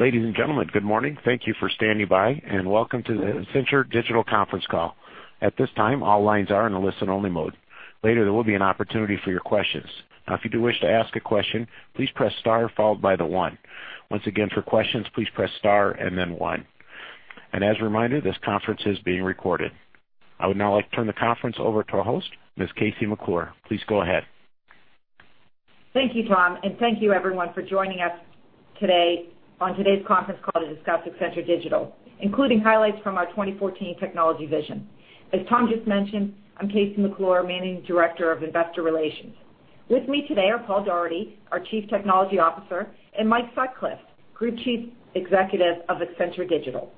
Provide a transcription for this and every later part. Ladies and gentlemen, good morning. Thank you for standing by, welcome to the Accenture Digital Conference Call. At this time, all lines are in a listen-only mode. Later, there will be an opportunity for your questions. If you do wish to ask a question, please press star followed by the one. Once again, for questions, please press star and then one. As a reminder, this conference is being recorded. I would now like to turn the conference over to our host, Ms. KC McClure. Please go ahead. Thank you, Tom, thank you, everyone, for joining us today on today's conference call to discuss Accenture Digital, including highlights from our 2014 Technology Vision. As Tom just mentioned, I'm KC McClure, Managing Director of Investor Relations. With me today are Paul Daugherty, our Chief Technology Officer, and Mike Sutcliff, Group Chief Executive of Accenture Digital.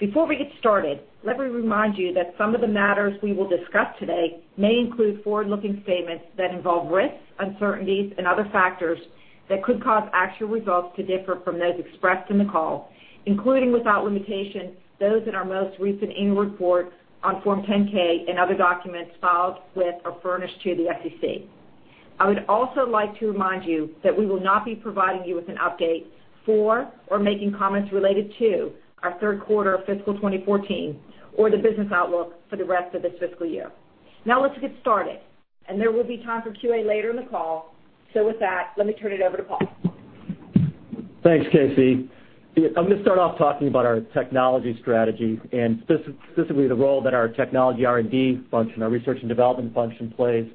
Before we get started, let me remind you that some of the matters we will discuss today may include forward-looking statements that involve risks, uncertainties, and other factors that could cause actual results to differ from those expressed in the call, including, without limitation, those in our most recent annual report on Form 10-K and other documents filed with or furnished to the SEC. I would also like to remind you that we will not be providing you with an update for or making comments related to our third quarter of fiscal 2014 or the business outlook for the rest of this fiscal year. Let's get started. There will be time for QA later in the call, so with that, let me turn it over to Paul. Thanks, KC. I'm going to start off talking about our technology strategy and specifically the role that our technology R&D function, our research and development function, plays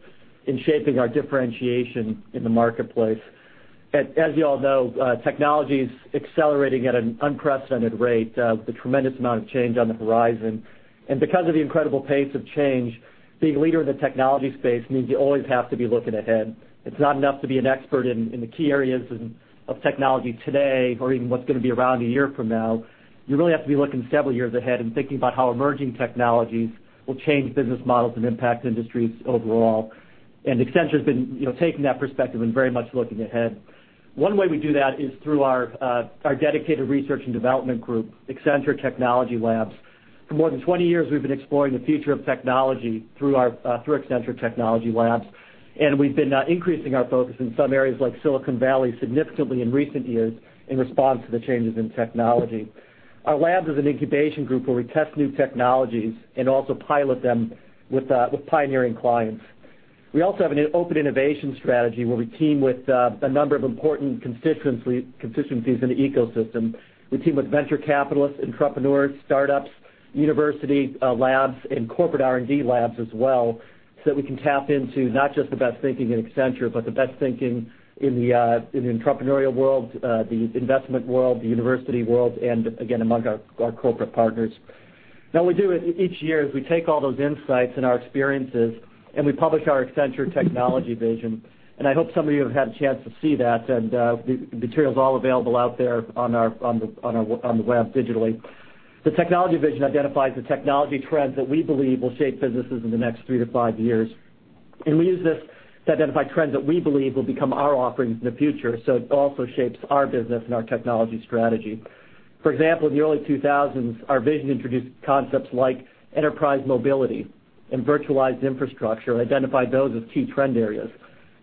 in shaping our differentiation in the marketplace. As you all know, technology's accelerating at an unprecedented rate with a tremendous amount of change on the horizon. Because of the incredible pace of change, being a leader in the technology space means you always have to be looking ahead. It's not enough to be an expert in the key areas of technology today or even what's going to be around a year from now. You really have to be looking several years ahead and thinking about how emerging technologies will change business models and impact industries overall. Accenture's been taking that perspective and very much looking ahead. One way we do that is through our dedicated research and development group, Accenture Technology Labs. For more than 20 years, we've been exploring the future of technology through Accenture Technology Labs, and we've been increasing our focus in some areas like Silicon Valley significantly in recent years in response to the changes in technology. Our labs is an incubation group where we test new technologies and also pilot them with pioneering clients. We also have an open innovation strategy where we team with a number of important constituencies in the ecosystem. We team with venture capitalists, entrepreneurs, startups, university labs, and corporate R&D labs as well, so that we can tap into not just the best thinking in Accenture, but the best thinking in the entrepreneurial world, the investment world, the university world, and again, among our corporate partners. What we do each year is we take all those insights and our experiences, and we publish our Accenture technology vision, and I hope some of you have had a chance to see that. The material's all available out there on the web digitally. The technology vision identifies the technology trends that we believe will shape businesses in the next three to five years. We use this to identify trends that we believe will become our offerings in the future, so it also shapes our business and our technology strategy. For example, in the early 2000s, our vision introduced concepts like enterprise mobility and virtualized infrastructure and identified those as key trend areas.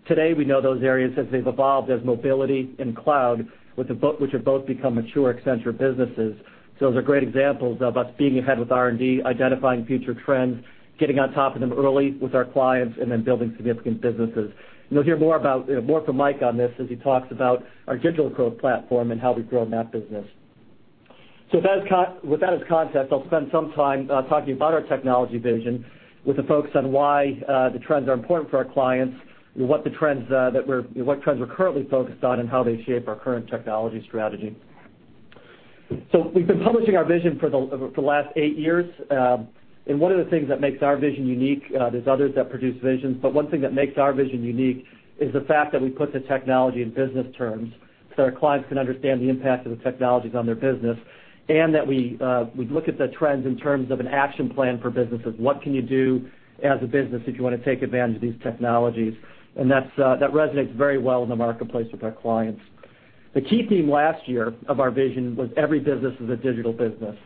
Today, we know those areas as they've evolved as mobility and cloud, which have both become mature Accenture businesses. Those are great examples of us being ahead with R&D, identifying future trends, getting on top of them early with our clients, and then building significant businesses. You'll hear more from Mike on this as he talks about our digital growth platform and how we've grown that business. With that as context, I'll spend some time talking about our technology vision with a focus on why the trends are important for our clients, what trends we're currently focused on, and how they shape our current technology strategy. We've been publishing our vision for the last eight years. One of the things that makes our vision unique, there's others that produce visions, but one thing that makes our vision unique is the fact that we put the technology in business terms so that our clients can understand the impact of the technologies on their business. That we look at the trends in terms of an action plan for businesses. What can you do as a business if you want to take advantage of these technologies? That resonates very well in the marketplace with our clients. The key theme last year of our vision was every business is a digital business.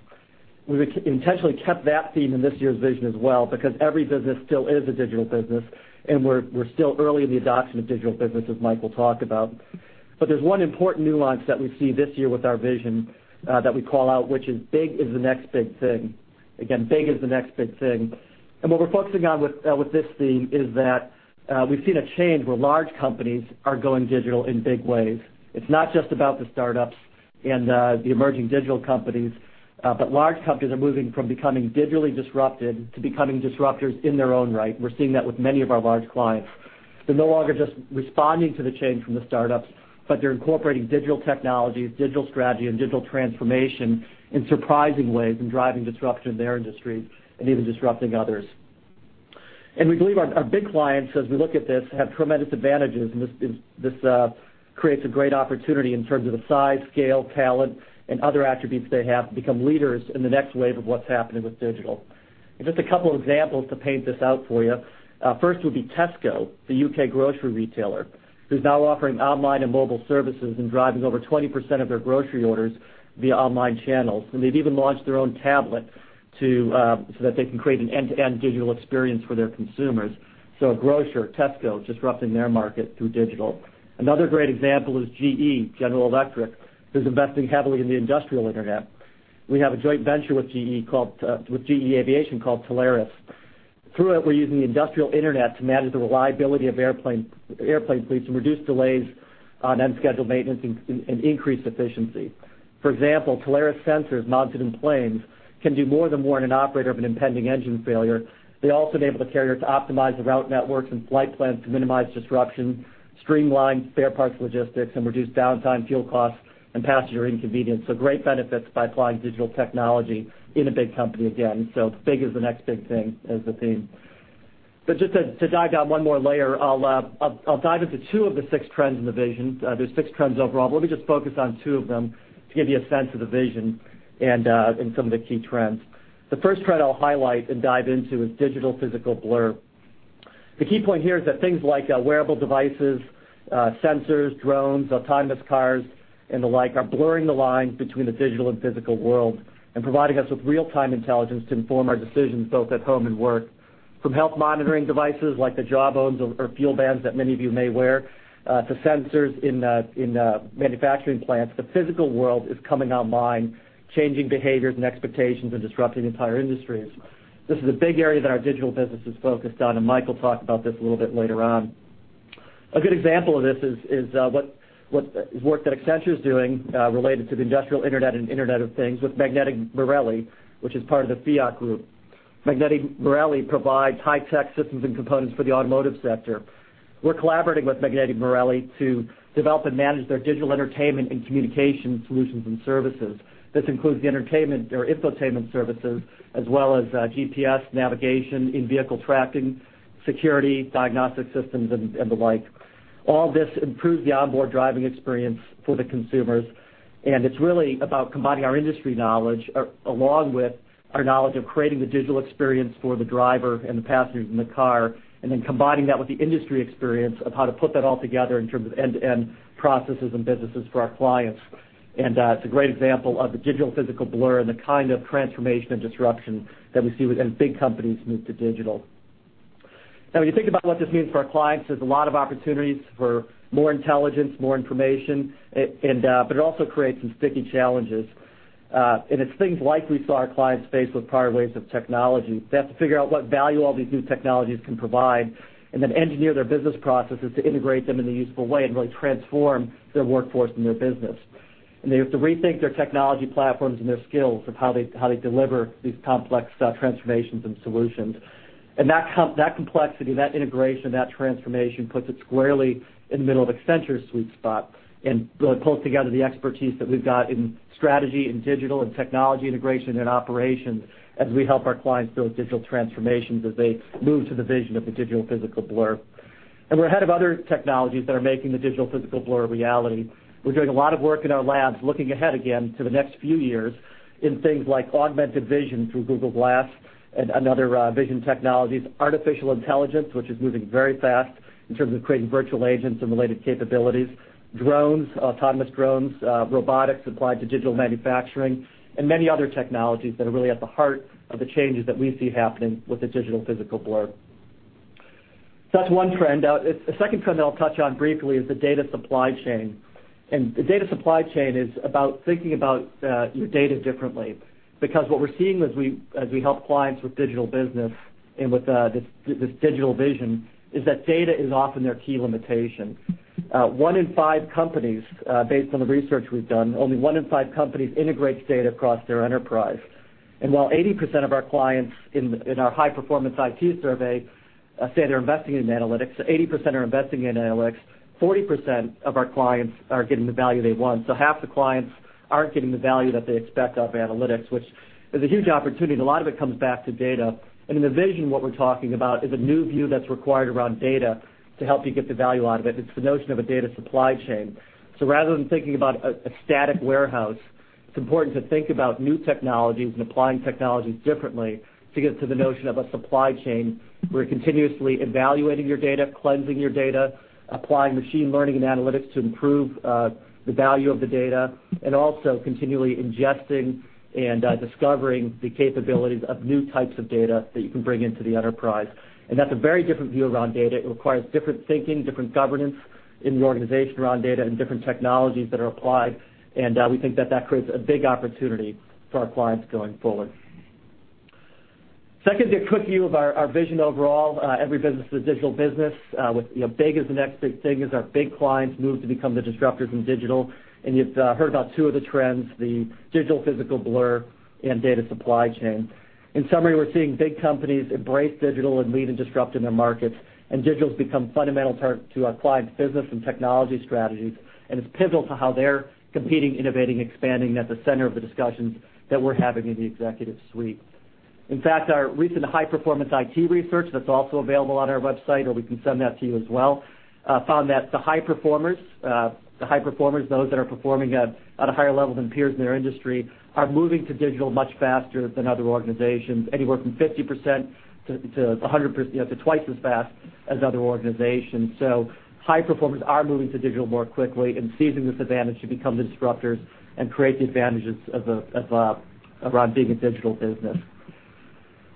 We intentionally kept that theme in this year's vision as well because every business still is a digital business, and we're still early in the adoption of digital business, as Mike will talk about. There's one important nuance that we see this year with our vision that we call out, which is big is the next big thing. Again, big is the next big thing. What we're focusing on with this theme is that we've seen a change where large companies are going digital in big ways. It's not just about the startups and the emerging digital companies, but large companies are moving from becoming digitally disrupted to becoming disruptors in their own right. We're seeing that with many of our large clients. They're no longer just responding to the change from the startups, but they're incorporating digital technologies, digital strategy, and digital transformation in surprising ways and driving disruption in their industry and even disrupting others. We believe our big clients, as we look at this, have tremendous advantages, and this creates a great opportunity in terms of the size, scale, talent, and other attributes they have to become leaders in the next wave of what's happening with digital. Just 2 examples to paint this out for you. First would be Tesco, the U.K. grocery retailer, who's now offering online and mobile services and driving over 20% of their grocery orders via online channels. They've even launched their own tablet so that they can create an end-to-end digital experience for their consumers. A grocer, Tesco, disrupting their market through digital. Another great example is GE, General Electric, who's investing heavily in the industrial internet. We have a joint venture with GE Aviation called Taleris. Through it, we're using the industrial internet to manage the reliability of airplane fleets and reduce delays on unscheduled maintenance and increase efficiency. For example, Taleris sensors mounted in planes can do more than warn an operator of an impending engine failure. They also enable the carrier to optimize the route networks and flight plans to minimize disruption, streamline spare parts logistics, and reduce downtime, fuel costs, and passenger inconvenience. Great benefits by applying digital technology in a big company again. Big is the next big thing as the theme. Just to dive down 1 more layer, I'll dive into 2 of the 6 trends in the vision. There's 6 trends overall, but let me just focus on 2 of them to give you a sense of the vision and some of the key trends. The first trend I'll highlight and dive into is digital-physical blur. The key point here is that things like wearable devices, sensors, drones, autonomous cars, and the like, are blurring the lines between the digital and physical world and providing us with real-time intelligence to inform our decisions both at home and work. From health monitoring devices like the Jawbone or FuelBand that many of you may wear, to sensors in manufacturing plants, the physical world is coming online, changing behaviors and expectations and disrupting entire industries. This is a big area that our digital business is focused on, and Mike will talk about this a little bit later on. A good example of this is work that Accenture's doing related to the industrial internet and Internet of Things with Magneti Marelli, which is part of the Fiat group. Magneti Marelli provides high-tech systems and components for the automotive sector. We're collaborating with Magneti Marelli to develop and manage their digital entertainment and communication solutions and services. This includes the entertainment or infotainment services, as well as GPS navigation, in-vehicle tracking, security, diagnostic systems, and the like. All this improves the onboard driving experience for the consumers, it's really about combining our industry knowledge along with our knowledge of creating the digital experience for the driver and the passengers in the car, then combining that with the industry experience of how to put that all together in terms of end-to-end processes and businesses for our clients. It's a great example of the digital-physical blur and the kind of transformation and disruption that we see as big companies move to digital. When you think about what this means for our clients, there's a lot of opportunities for more intelligence, more information, it also creates some sticky challenges. It's things like we saw our clients face with prior waves of technology. They have to figure out what value all these new technologies can provide, then engineer their business processes to integrate them in a useful way and really transform their workforce and their business. They have to rethink their technology platforms and their skills of how they deliver these complex transformations and solutions. That complexity, that integration, that transformation puts it squarely in the middle of Accenture's sweet spot and really pulls together the expertise that we've got in strategy, in digital and technology integration and operations as we help our clients build digital transformations as they move to the vision of the digital-physical blur. We're ahead of other technologies that are making the digital-physical blur a reality. We're doing a lot of work in our labs, looking ahead again to the next few years in things like augmented vision through Google Glass and other vision technologies, artificial intelligence, which is moving very fast in terms of creating virtual agents and related capabilities, drones, autonomous drones, robotics applied to digital manufacturing, many other technologies that are really at the heart of the changes that we see happening with the digital-physical blur. That's one trend. A second trend that I'll touch on briefly is the data supply chain. The data supply chain is about thinking about your data differently. What we're seeing as we help clients with digital business and with this digital vision is that data is often their key limitation. One in five companies, based on the research we've done, only one in five companies integrates data across their enterprise. While 80% of our clients in our high-performance IT survey say they're investing in analytics, 80% are investing in analytics, 40% of our clients aren't getting the value they want. Half the clients aren't getting the value that they expect of analytics, which is a huge opportunity, a lot of it comes back to data. In the vision, what we're talking about is a new view that's required around data to help you get the value out of it. It's the notion of a data supply chain. Rather than thinking about a static warehouse, it's important to think about new technologies and applying technologies differently to get to the notion of a supply chain where you're continuously evaluating your data, cleansing your data, applying machine learning and analytics to improve the value of the data, also continually ingesting and discovering the capabilities of new types of data that you can bring into the enterprise. That's a very different view around data. It requires different thinking, different governance in the organization around data, and different technologies that are applied, and we think that that creates a big opportunity for our clients going forward. Second, a quick view of our vision overall. Every business is a digital business. Big is the next big thing as our big clients move to become the disruptors in digital. You've heard about two of the trends, the digital-physical blur and data supply chain. In summary, we're seeing big companies embrace digital and lead and disrupt in their markets, and digital's become fundamental to our clients' business and technology strategies. It's pivotal to how they're competing, innovating, expanding at the center of the discussions that we're having in the executive suite. In fact, our recent high-performance IT research that's also available on our website, or we can send that to you as well, found that the high performers, those that are performing at a higher level than peers in their industry, are moving to digital much faster than other organizations, anywhere from 50% to twice as fast as other organizations. High performers are moving to digital more quickly and seizing this advantage to become the disruptors and create the advantages around being a digital business.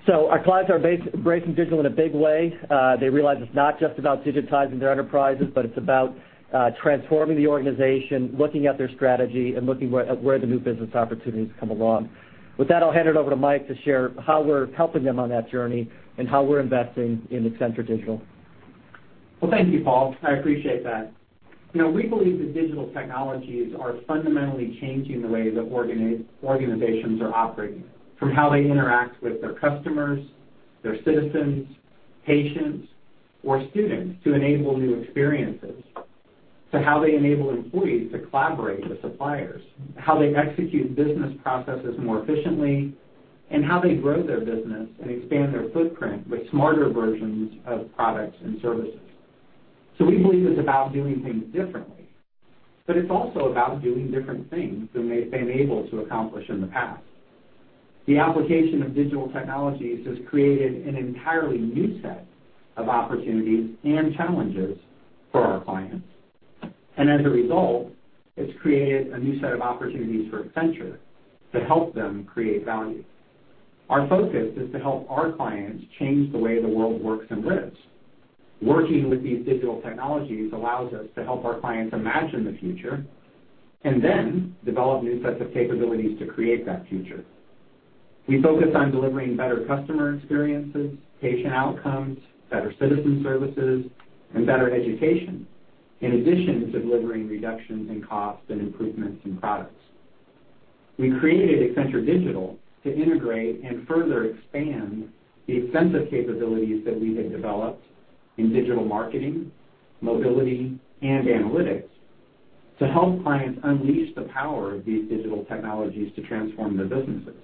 Our clients are embracing digital in a big way. They realize it's not just about digitizing their enterprises, but it's about transforming the organization, looking at their strategy, and looking where the new business opportunities come along. With that, I'll hand it over to Mike to share how we're helping them on that journey and how we're investing in Accenture Digital. Well, thank you, Paul. I appreciate that. We believe that digital technologies are fundamentally changing the way that organizations are operating, from how they interact with their customers, their citizens, patients, or students to enable new experiences, to how they enable employees to collaborate with suppliers, how they execute business processes more efficiently, and how they grow their business and expand their footprint with smarter versions of products and services. We believe it's about doing things differently, but it's also about doing different things than they've been able to accomplish in the past. The application of digital technologies has created an entirely new set of opportunities and challenges for our clients, and as a result, it's created a new set of opportunities for Accenture to help them create value. Our focus is to help our clients change the way the world works and lives. Working with these digital technologies allows us to help our clients imagine the future, and then develop new sets of capabilities to create that future. We focus on delivering better customer experiences, patient outcomes, better citizen services, and better education, in addition to delivering reductions in costs and improvements in products. We created Accenture Digital to integrate and further expand the extensive capabilities that we had developed in digital marketing, mobility, and analytics to help clients unleash the power of these digital technologies to transform their businesses.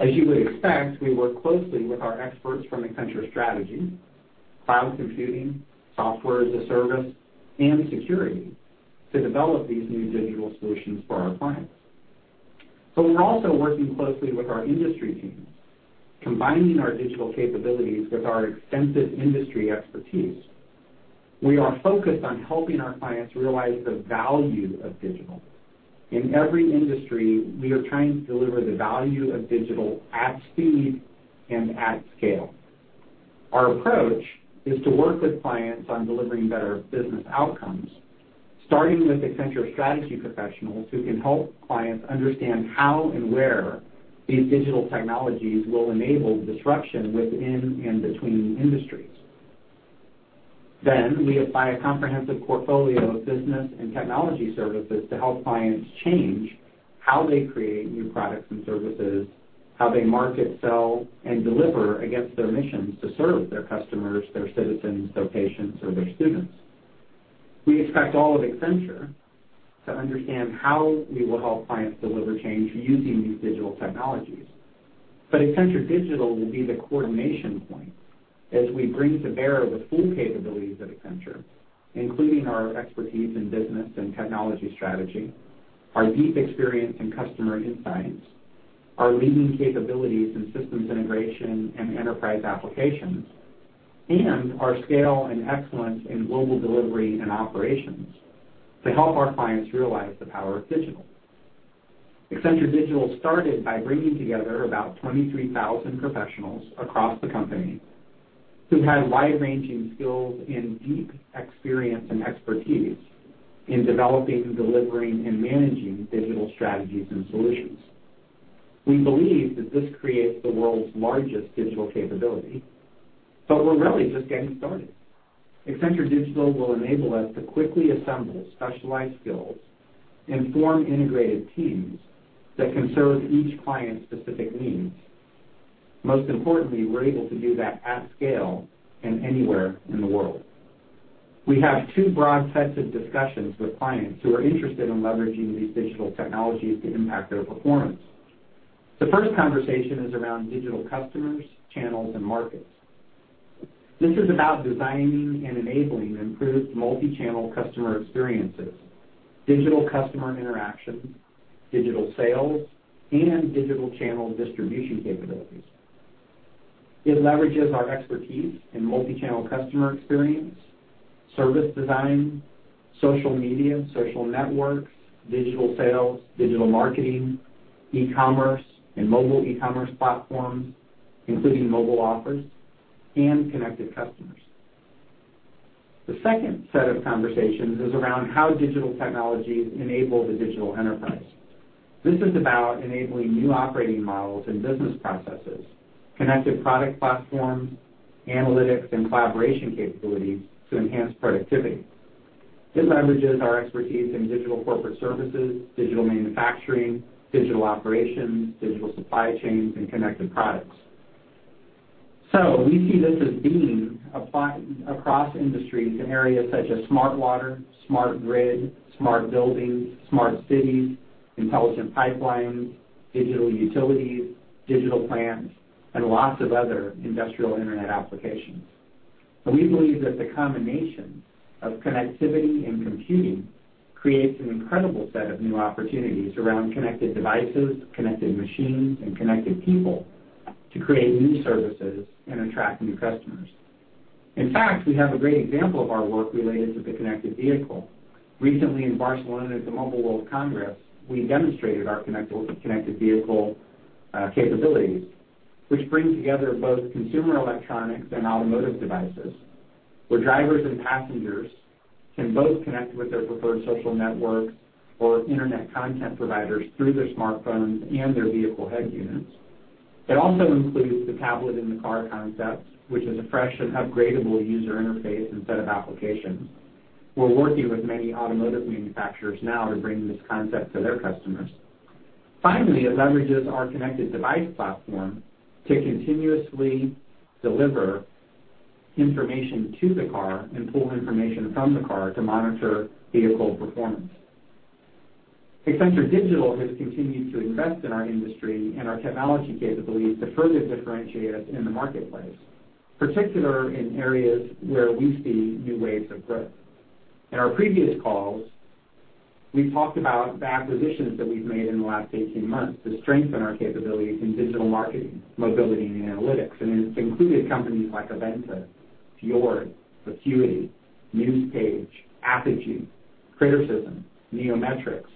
As you would expect, we work closely with our experts from Accenture Strategy, cloud computing, software as a service, and security to develop these new digital solutions for our clients. We're also working closely with our industry teams, combining our digital capabilities with our extensive industry expertise. We are focused on helping our clients realize the value of digital. In every industry, we are trying to deliver the value of digital at speed and at scale. Our approach is to work with clients on delivering better business outcomes, starting with Accenture Strategy professionals who can help clients understand how and where these digital technologies will enable disruption within and between industries. We apply a comprehensive portfolio of business and technology services to help clients change how they create new products and services, how they market, sell, and deliver against their missions to serve their customers, their citizens, their patients, or their students. We expect all of Accenture to understand how we will help clients deliver change using these digital technologies. Accenture Digital will be the coordination point as we bring to bear the full capabilities of Accenture, including our expertise in business and technology strategy, our deep experience in customer insights, our leading capabilities in systems integration and enterprise applications, and our scale and excellence in global delivery and operations to help our clients realize the power of digital. Accenture Digital started by bringing together about 23,000 professionals across the company who had wide-ranging skills and deep experience and expertise in developing, delivering, and managing digital strategies and solutions. We believe that this creates the world's largest digital capability, but we're really just getting started. Accenture Digital will enable us to quickly assemble specialized skills and form integrated teams that can serve each client's specific needs. Most importantly, we're able to do that at scale and anywhere in the world. We have two broad sets of discussions with clients who are interested in leveraging these digital technologies to impact their performance. The first conversation is around digital customers, channels, and markets. This is about designing and enabling improved multi-channel customer experiences, digital customer interaction, digital sales, and digital channel distribution capabilities. It leverages our expertise in multi-channel customer experience, service design, social media, social networks, digital sales, digital marketing, e-commerce, and mobile e-commerce platforms, including mobile offers and connected customers. The second set of conversations is around how digital technologies enable the digital enterprise. This is about enabling new operating models and business processes, connected product platforms, analytics, and collaboration capabilities to enhance productivity. This leverages our expertise in digital corporate services, digital manufacturing, digital operations, digital supply chains, and connected products. We see this as being applied across industries in areas such as smart water, smart grid, smart buildings, smart cities, intelligent pipelines, digital utilities, digital plants, and lots of other industrial Internet applications. We believe that the combination of connectivity and computing creates an incredible set of new opportunities around connected devices, connected machines, and connected people to create new services and attract new customers. In fact, we have a great example of our work related to the connected vehicle. Recently in Barcelona at the Mobile World Congress, we demonstrated our connected vehicle capabilities, which bring together both consumer electronics and automotive devices, where drivers and passengers can both connect with their preferred social networks or Internet content providers through their smartphones and their vehicle head units. It also includes the tablet in the car concepts, which is a fresh and upgradable user interface instead of applications. We're working with many automotive manufacturers now to bring this concept to their customers. Finally, it leverages our connected device platform to continuously deliver information to the car and pull information from the car to monitor vehicle performance. Accenture Digital has continued to invest in our industry and our technology capabilities to further differentiate us in the marketplace, particularly in areas where we see new waves of growth. In our previous calls, we've talked about the acquisitions that we've made in the last 18 months to strengthen our capabilities in digital marketing, mobility, and analytics. It's included companies like avVenta, Fjord, Acquity, NewsPage, Apogee, Crittercism, Neo Metrics.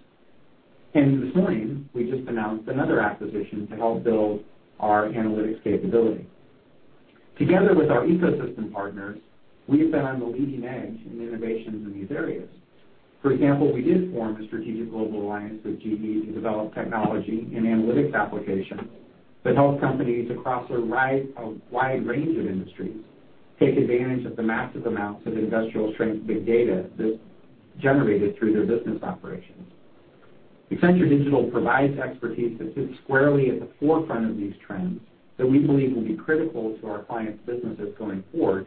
This morning, we just announced another acquisition to help build our analytics capability. Together with our ecosystem partners, we have been on the leading edge in innovations in these areas. For example, we did form a strategic global alliance with GE to develop technology and analytics applications that help companies across a wide range of industries take advantage of the massive amounts of industrial-strength big data that's generated through their business operations. Accenture Digital provides expertise that sits squarely at the forefront of these trends that we believe will be critical to our clients' businesses going forward,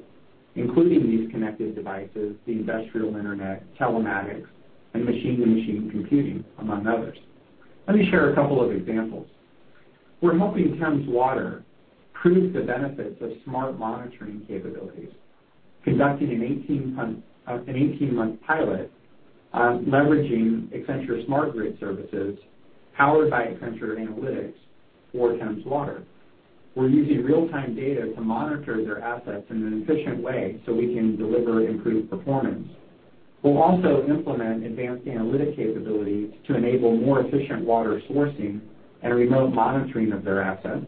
including these connected devices, the industrial internet, telematics, and machine-to-machine computing, among others. Let me share a couple of examples. We're helping Thames Water prove the benefits of smart monitoring capabilities, conducting an 18-month pilot, leveraging Accenture's Smart Grid Services powered by Accenture Analytics for Thames Water. We're using real-time data to monitor their assets in an efficient way so we can deliver improved performance. We'll also implement advanced analytic capabilities to enable more efficient water sourcing and remote monitoring of their assets.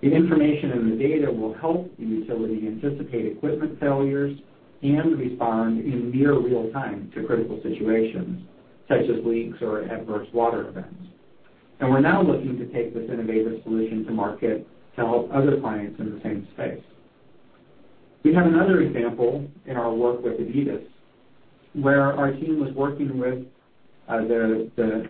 The information and the data will help the utility anticipate equipment failures and respond in near real-time to critical situations such as leaks or adverse water events. We're now looking to take this innovative solution to market to help other clients in the same space. We have another example in our work with Adidas, where our team was working with the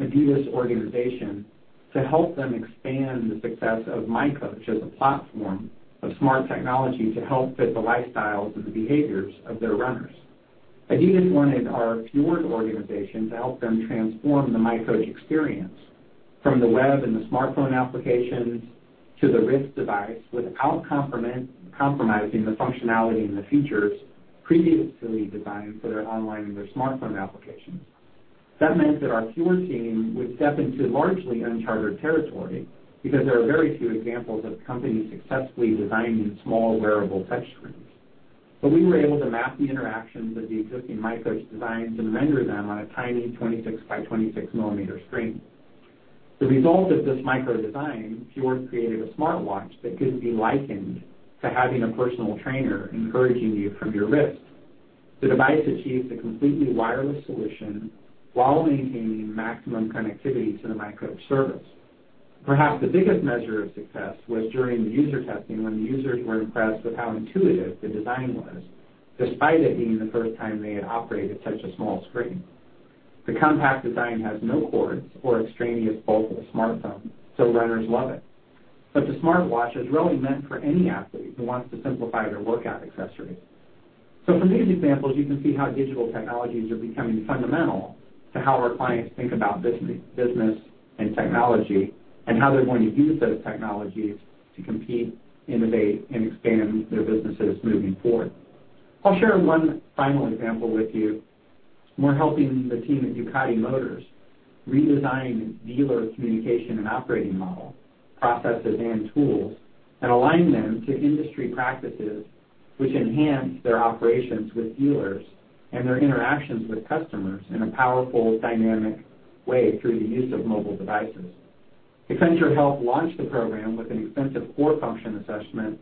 Adidas organization to help them expand the success of miCoach as a platform of smart technology to help fit the lifestyles and the behaviors of their runners. Adidas wanted our Fjord organization to help them transform the miCoach experience from the web and the smartphone applications to the wrist device without compromising the functionality and the features previously designed for their online and their smartphone applications. That meant that our Fjord team would step into largely uncharted territory because there are very few examples of companies successfully designing small wearable touchscreens. We were able to map the interactions of the existing miCoach designs and render them on a tiny 26-by-26 millimeter screen. The result of this micro design, Fjord created a smartwatch that could be likened to having a personal trainer encouraging you from your wrist. The device achieves a completely wireless solution while maintaining maximum connectivity to the miCoach service. Perhaps the biggest measure of success was during the user testing when users were impressed with how intuitive the design was, despite it being the first time they had operated such a small screen. The compact design has no cords or extraneous bulk of a smartphone, runners love it. The smartwatch is really meant for any athlete who wants to simplify their workout accessories. From these examples, you can see how digital technologies are becoming fundamental to how our clients think about business and technology, and how they're going to use those technologies to compete, innovate, and expand their businesses moving forward. I'll share one final example with you. We're helping the team at Ducati redesign dealer communication and operating model, processes and tools, and align them to industry practices which enhance their operations with dealers and their interactions with customers in a powerful, dynamic way through the use of mobile devices. Accenture helped launch the program with an extensive core function assessment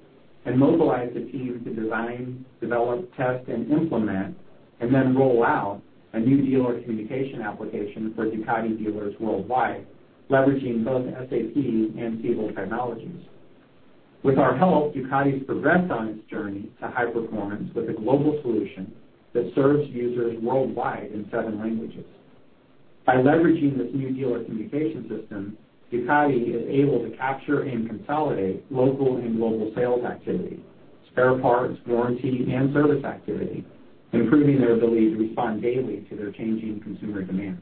and mobilized a team to design, develop, test, and implement, and then roll out a new dealer communication application for Ducati dealers worldwide, leveraging both SAP and Siebel Systems. With our help, Ducati's progressed on its journey to high performance with a global solution that serves users worldwide in seven languages. By leveraging this new dealer communication system, Ducati is able to capture and consolidate local and global sales activity, spare parts, warranty, and service activity, improving their ability to respond daily to their changing consumer demands.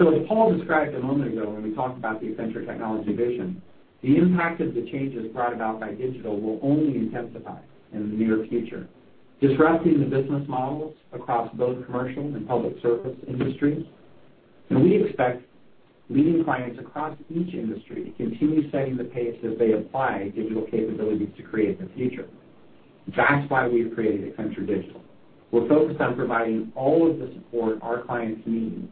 As Paul described a moment ago when we talked about the Accenture technology vision, the impact of the changes brought about by digital will only intensify in the near future, disrupting the business models across both commercial and public service industries. We expect leading clients across each industry to continue setting the pace as they apply digital capabilities to create the future. That's why we've created Accenture Digital. We're focused on providing all of the support our clients need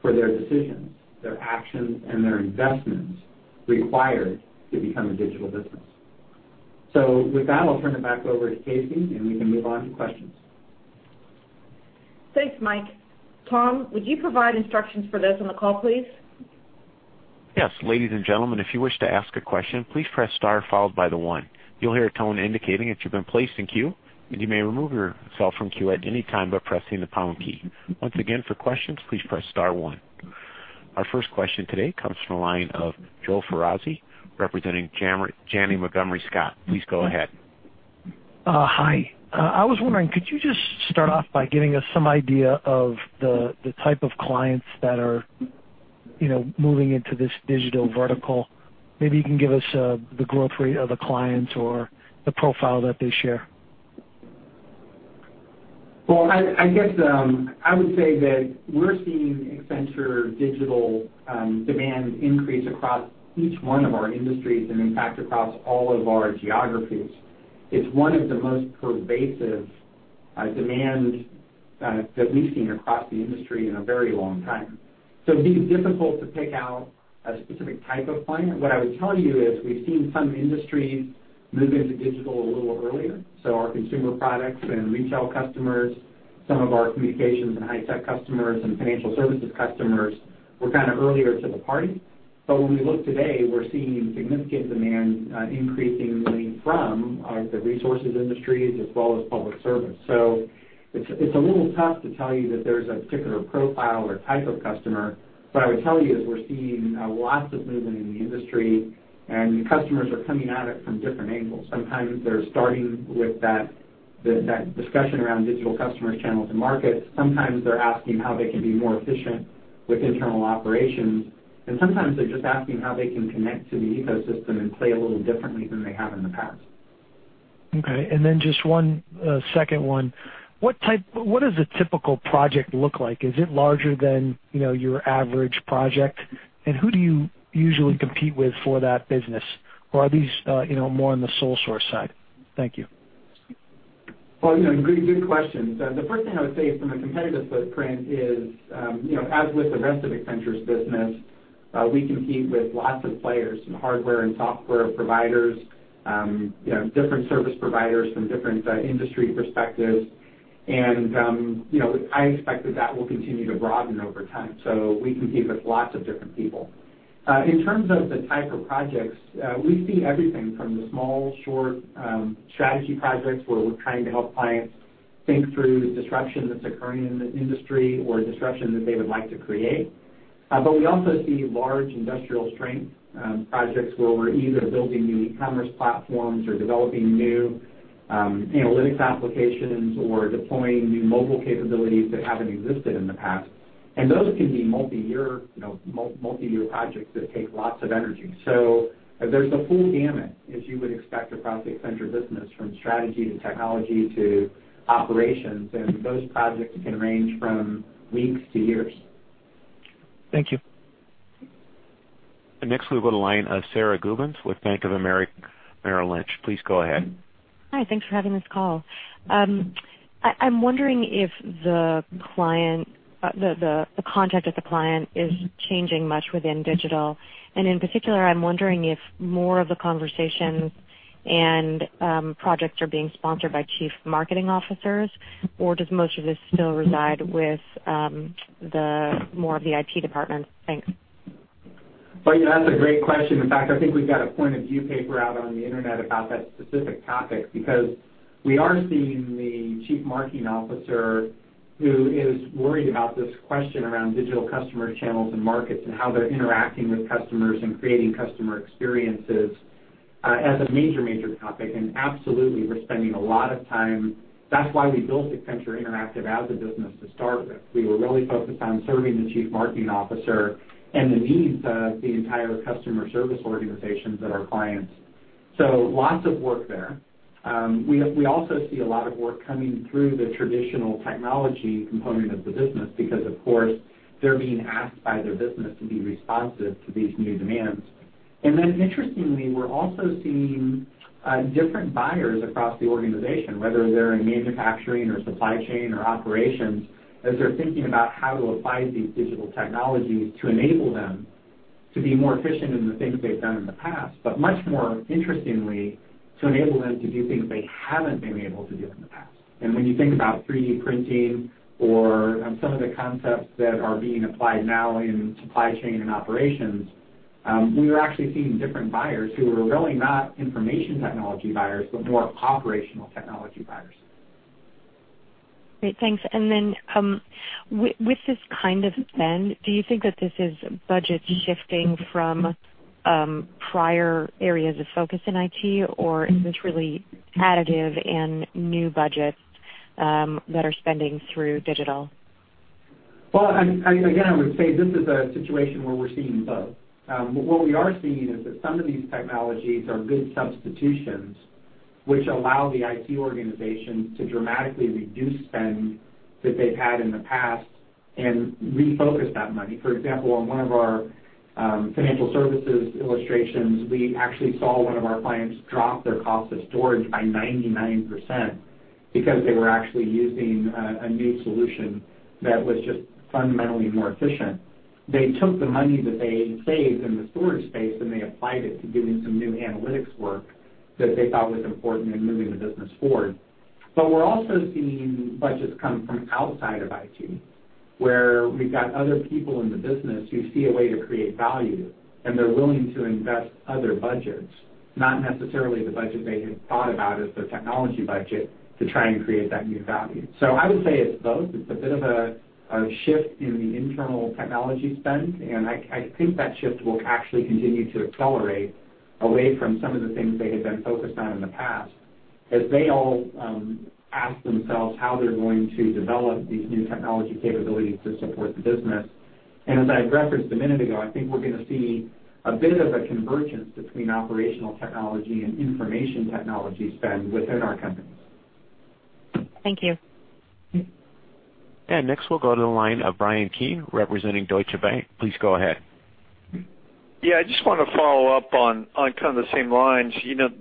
for their decisions, their actions, and their investments required to become a digital business. With that, I'll turn it back over to KC, and we can move on to questions. Thanks, Mike. Tom, would you provide instructions for those on the call, please? Yes. Ladies and gentlemen, if you wish to ask a question, please press star followed by the one. You'll hear a tone indicating that you've been placed in queue, and you may remove yourself from queue at any time by pressing the pound key. Once again, for questions, please press star one. Our first question today comes from the line of Joseph Foresi, representing Janney Montgomery Scott. Please go ahead. Hi. I was wondering, could you just start off by giving us some idea of the type of clients that are moving into this digital vertical? Maybe you can give us the growth rate of the clients or the profile that they share. Well, I guess I would say that we're seeing Accenture Digital demand increase across each one of our industries and impact across all of our geographies. It's one of the most pervasive demands that we've seen across the industry in a very long time. It'd be difficult to pick out a specific type of client. What I would tell you is we've seen some industries move into digital a little earlier. Our consumer products and retail customers, some of our communications and high-tech customers and financial services customers were kind of earlier to the party. When we look today, we're seeing significant demand increasingly from the resources industries as well as public service. It's a little tough to tell you that there's a particular profile or type of customer. What I would tell you is we're seeing lots of movement in the industry. Customers are coming at it from different angles. Sometimes they're starting with that discussion around digital customer channels and markets. Sometimes they're asking how they can be more efficient with internal operations. Sometimes they're just asking how they can connect to the ecosystem and play a little differently than they have in the past. Okay, just one second one. What does a typical project look like? Is it larger than your average project? Who do you usually compete with for that business? Are these more on the sole source side? Thank you. Well, good questions. The first thing I would say from a competitive footprint is as with the rest of Accenture's business, we compete with lots of players from hardware and software providers, different service providers from different industry perspectives. I expect that that will continue to broaden over time. We compete with lots of different people. In terms of the type of projects, we see everything from the small, short strategy projects where we're trying to help clients think through disruption that's occurring in the industry or disruption that they would like to create. We also see large industrial-strength projects where we're either building new e-commerce platforms or developing new analytics applications or deploying new mobile capabilities that haven't existed in the past. Those can be multi-year projects that take lots of energy. There's the full gamut, as you would expect, across Accenture business, from strategy to technology to operations. Those projects can range from weeks to years. Thank you. Next we'll go to line of Sara Gubins with Bank of America Merrill Lynch. Please go ahead. Hi, thanks for having this call. I'm wondering if the contact with the client is changing much within digital. In particular, I'm wondering if more of the conversations and projects are being sponsored by Chief Marketing Officers, or does most of this still reside with more of the IT departments? Thanks. Well, that's a great question. In fact, I think we've got a point of view paper out on the internet about that specific topic because we are seeing the Chief Marketing Officer who is worried about this question around digital customer channels and markets and how they're interacting with customers and creating customer experiences as a major topic. Absolutely, we're spending a lot of time. That's why we built as a business to start with. We were really focused on serving the Chief Marketing Officer and the needs of the entire customer service organizations that are clients. Lots of work there. We also see a lot of work coming through the traditional technology component of the business because of course, they're being asked by their business to be responsive to these new demands. Interestingly, we're also seeing different buyers across the organization, whether they're in manufacturing or supply chain or operations, as they're thinking about how to apply these digital technologies to enable them to be more efficient in the things they've done in the past, but much more interestingly, to enable them to do things they haven't been able to do in the past. When you think about 3D printing or some of the concepts that are being applied now in supply chain and operations, we are actually seeing different buyers who are really not information technology buyers, but more operational technology buyers. Great. Thanks. With this kind of spend, do you think that this is budgets shifting from prior areas of focus in IT, or is this really additive and new budgets that are spending through digital? Well, again, I would say this is a situation where we're seeing both. What we are seeing is that some of these technologies are good substitutions which allow the IT organization to dramatically reduce spend that they've had in the past and refocus that money. For example, on one of our financial services illustrations, we actually saw one of our clients drop their cost of storage by 99% because they were actually using a new solution that was just fundamentally more efficient. They took the money that they saved in the storage space, and they applied it to doing some new analytics work that they thought was important in moving the business forward. We're also seeing budgets come from outside of IT, where we've got other people in the business who see a way to create value, and they're willing to invest other budgets, not necessarily the budget they had thought about as the technology budget to try and create that new value. I would say it's both. It's a bit of a shift in the internal technology spend. I think that shift will actually continue to accelerate away from some of the things they had been focused on in the past, as they all ask themselves how they're going to develop these new technology capabilities to support the business. As I referenced a minute ago, I think we're going to see a bit of a convergence between operational technology and information technology spend within our companies. Thank you. Next, we'll go to the line of Bryan Keane, representing Deutsche Bank. Please go ahead. Yeah, I just want to follow up on kind of the same lines.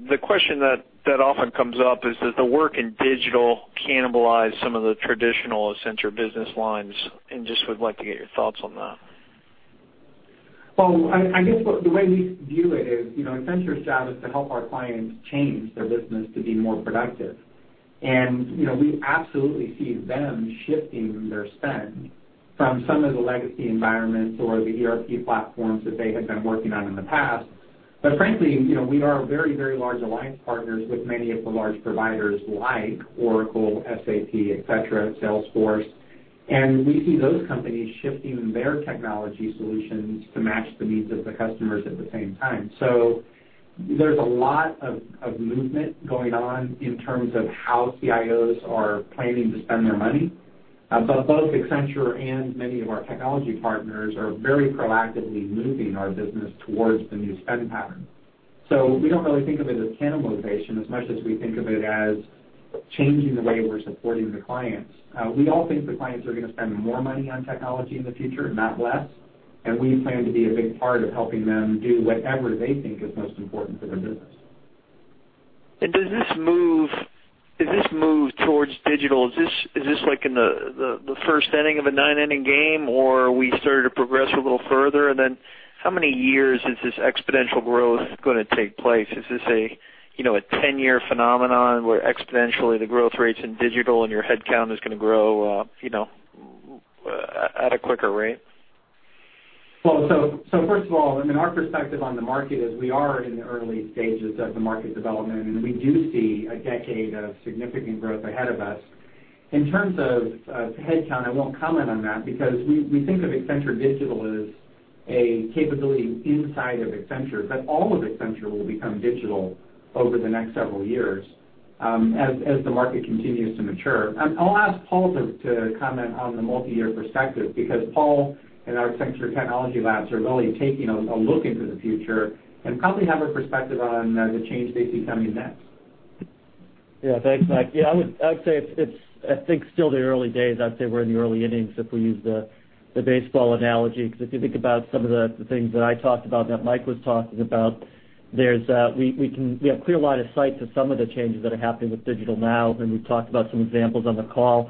The question that often comes up is, does the work in digital cannibalize some of the traditional Accenture business lines? Just would like to get your thoughts on that. Well, I guess the way we view it is, Accenture's job is to help our clients change their business to be more productive. We absolutely see them shifting their spend from some of the legacy environments or the ERP platforms that they had been working on in the past. Frankly, we are very, very large alliance partners with many of the large providers like Oracle, SAP, et cetera, Salesforce, and we see those companies shifting their technology solutions to match the needs of the customers at the same time. There's a lot of movement going on in terms of how CIOs are planning to spend their money. Both Accenture and many of our technology partners are very proactively moving our business towards the new spend pattern. We don't really think of it as cannibalization as much as we think of it as changing the way we're supporting the clients. We all think the clients are going to spend more money on technology in the future, not less, and we plan to be a big part of helping them do whatever they think is most important for their business. Does this move towards digital, is this like in the first inning of a nine-inning game, or are we starting to progress a little further? How many years is this exponential growth going to take place? Is this a 10-year phenomenon where exponentially the growth rates in digital and your headcount is going to grow at a quicker rate? First of all, our perspective on the market is we are in the early stages of the market development, and we do see a decade of significant growth ahead of us. In terms of headcount, I won't comment on that because we think of Accenture Digital as a capability inside of Accenture, but all of Accenture will become digital over the next several years as the market continues to mature. I'll ask Paul to comment on the multi-year perspective because Paul and our Accenture Technology Labs are really taking a look into the future and probably have a perspective on the change they see coming next. Thanks, Mike. I would say it's I think still the early days. I'd say we're in the early innings, if we use the baseball analogy. If you think about some of the things that I talked about that Mike was talking about, we have clear line of sight to some of the changes that are happening with digital now, and we've talked about some examples on the call.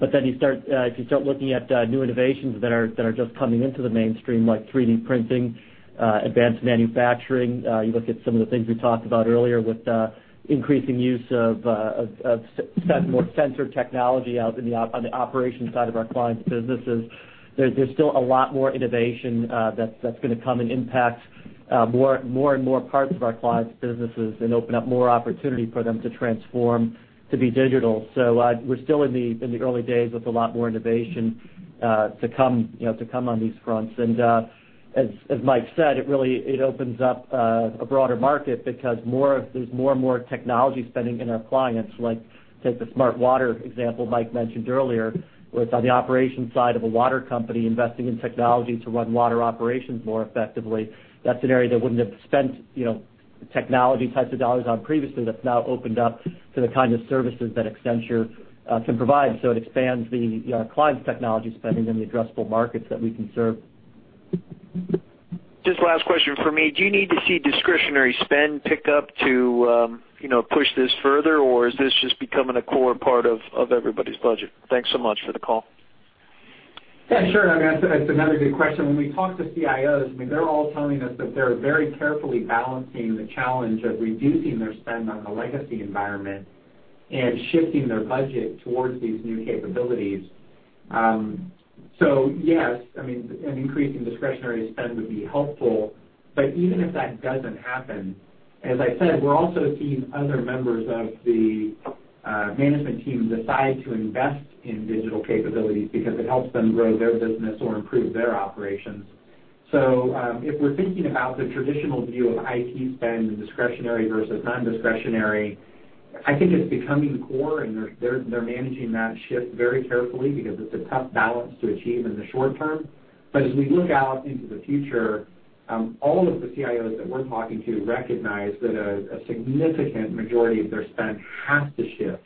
If you start looking at new innovations that are just coming into the mainstream, like 3D printing, advanced manufacturing, you look at some of the things we talked about earlier with increasing use of more sensor technology on the operations side of our clients' businesses. There's still a lot more innovation that's going to come and impact more and more parts of our clients' businesses and open up more opportunity for them to transform to be digital. We're still in the early days with a lot more innovation to come on these fronts. As Mike said, it opens up a broader market because there's more and more technology spending in our clients. Like take the smart water example Mike mentioned earlier, where it's on the operations side of a water company investing in technology to run water operations more effectively. That's an area they wouldn't have spent technology types of dollars on previously that's now opened up to the kind of services that Accenture can provide. It expands our clients' technology spending and the addressable markets that we can serve. Just last question from me. Do you need to see discretionary spend pick up to push this further, or is this just becoming a core part of everybody's budget? Thanks so much for the call. Yeah, sure, that's another good question. When we talk to CIOs, they're all telling us that they're very carefully balancing the challenge of reducing their spend on the legacy environment and shifting their budget towards these new capabilities. Yes, an increase in discretionary spend would be helpful, but even if that doesn't happen, as I said, we're also seeing other members of the management team decide to invest in digital capabilities because it helps them grow their business or improve their operations. If we're thinking about the traditional view of IT spend and discretionary versus non-discretionary, I think it's becoming core, and they're managing that shift very carefully because it's a tough balance to achieve in the short term. As we look out into the future, all of the CIOs that we're talking to recognize that a significant majority of their spend has to shift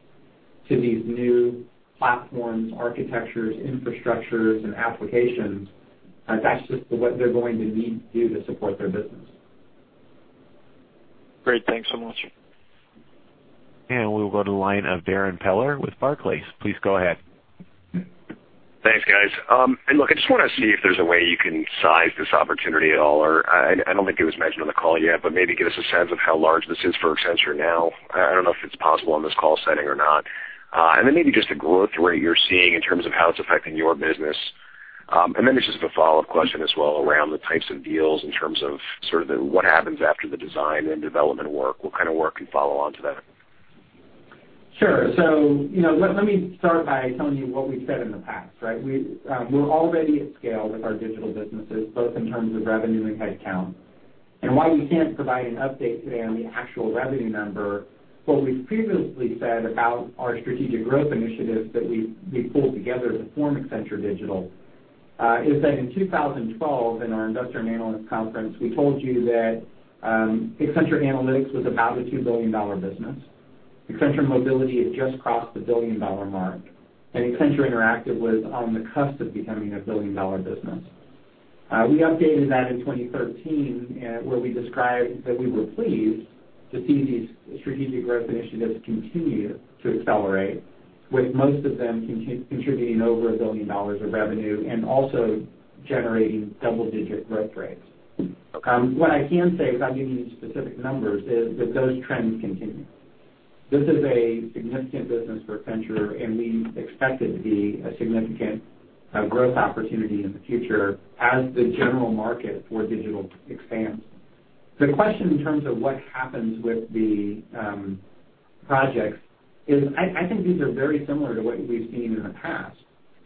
to these new platforms, architectures, infrastructures, and applications. That's just what they're going to need to do to support their business. Great. Thanks so much. We'll go to the line of Darrin Peller with Barclays. Please go ahead. Thanks, guys. Look, I just want to see if there's a way you can size this opportunity at all, or I don't think it was mentioned on the call yet, but maybe give us a sense of how large this is for Accenture now. I don't know if it's possible on this call setting or not. Then maybe just the growth rate you're seeing in terms of how it's affecting your business. Then just a follow-up question as well around the types of deals in terms of sort of the what happens after the design and development work. What kind of work can follow on to that? Sure. Let me start by telling you what we've said in the past, right? We're already at scale with our digital businesses, both in terms of revenue and headcount. While we can't provide an update today on the actual revenue number, what we've previously said about our strategic growth initiatives that we pulled together to form Accenture Digital, is that in 2012, in our investor and analyst conference, we told you that Accenture Analytics was about a $2 billion business. Accenture Mobility had just crossed the billion-dollar mark, and Accenture Song was on the cusp of becoming a billion-dollar business. We updated that in 2013, where we described that we were pleased to see these strategic growth initiatives continue to accelerate, with most of them contributing over a billion dollars of revenue and also generating double-digit growth rates. What I can say without giving you specific numbers is that those trends continue. This is a significant business for Accenture, and we expect it to be a significant growth opportunity in the future as the general market for digital expands. The question in terms of what happens with the projects is, I think these are very similar to what we've seen in the past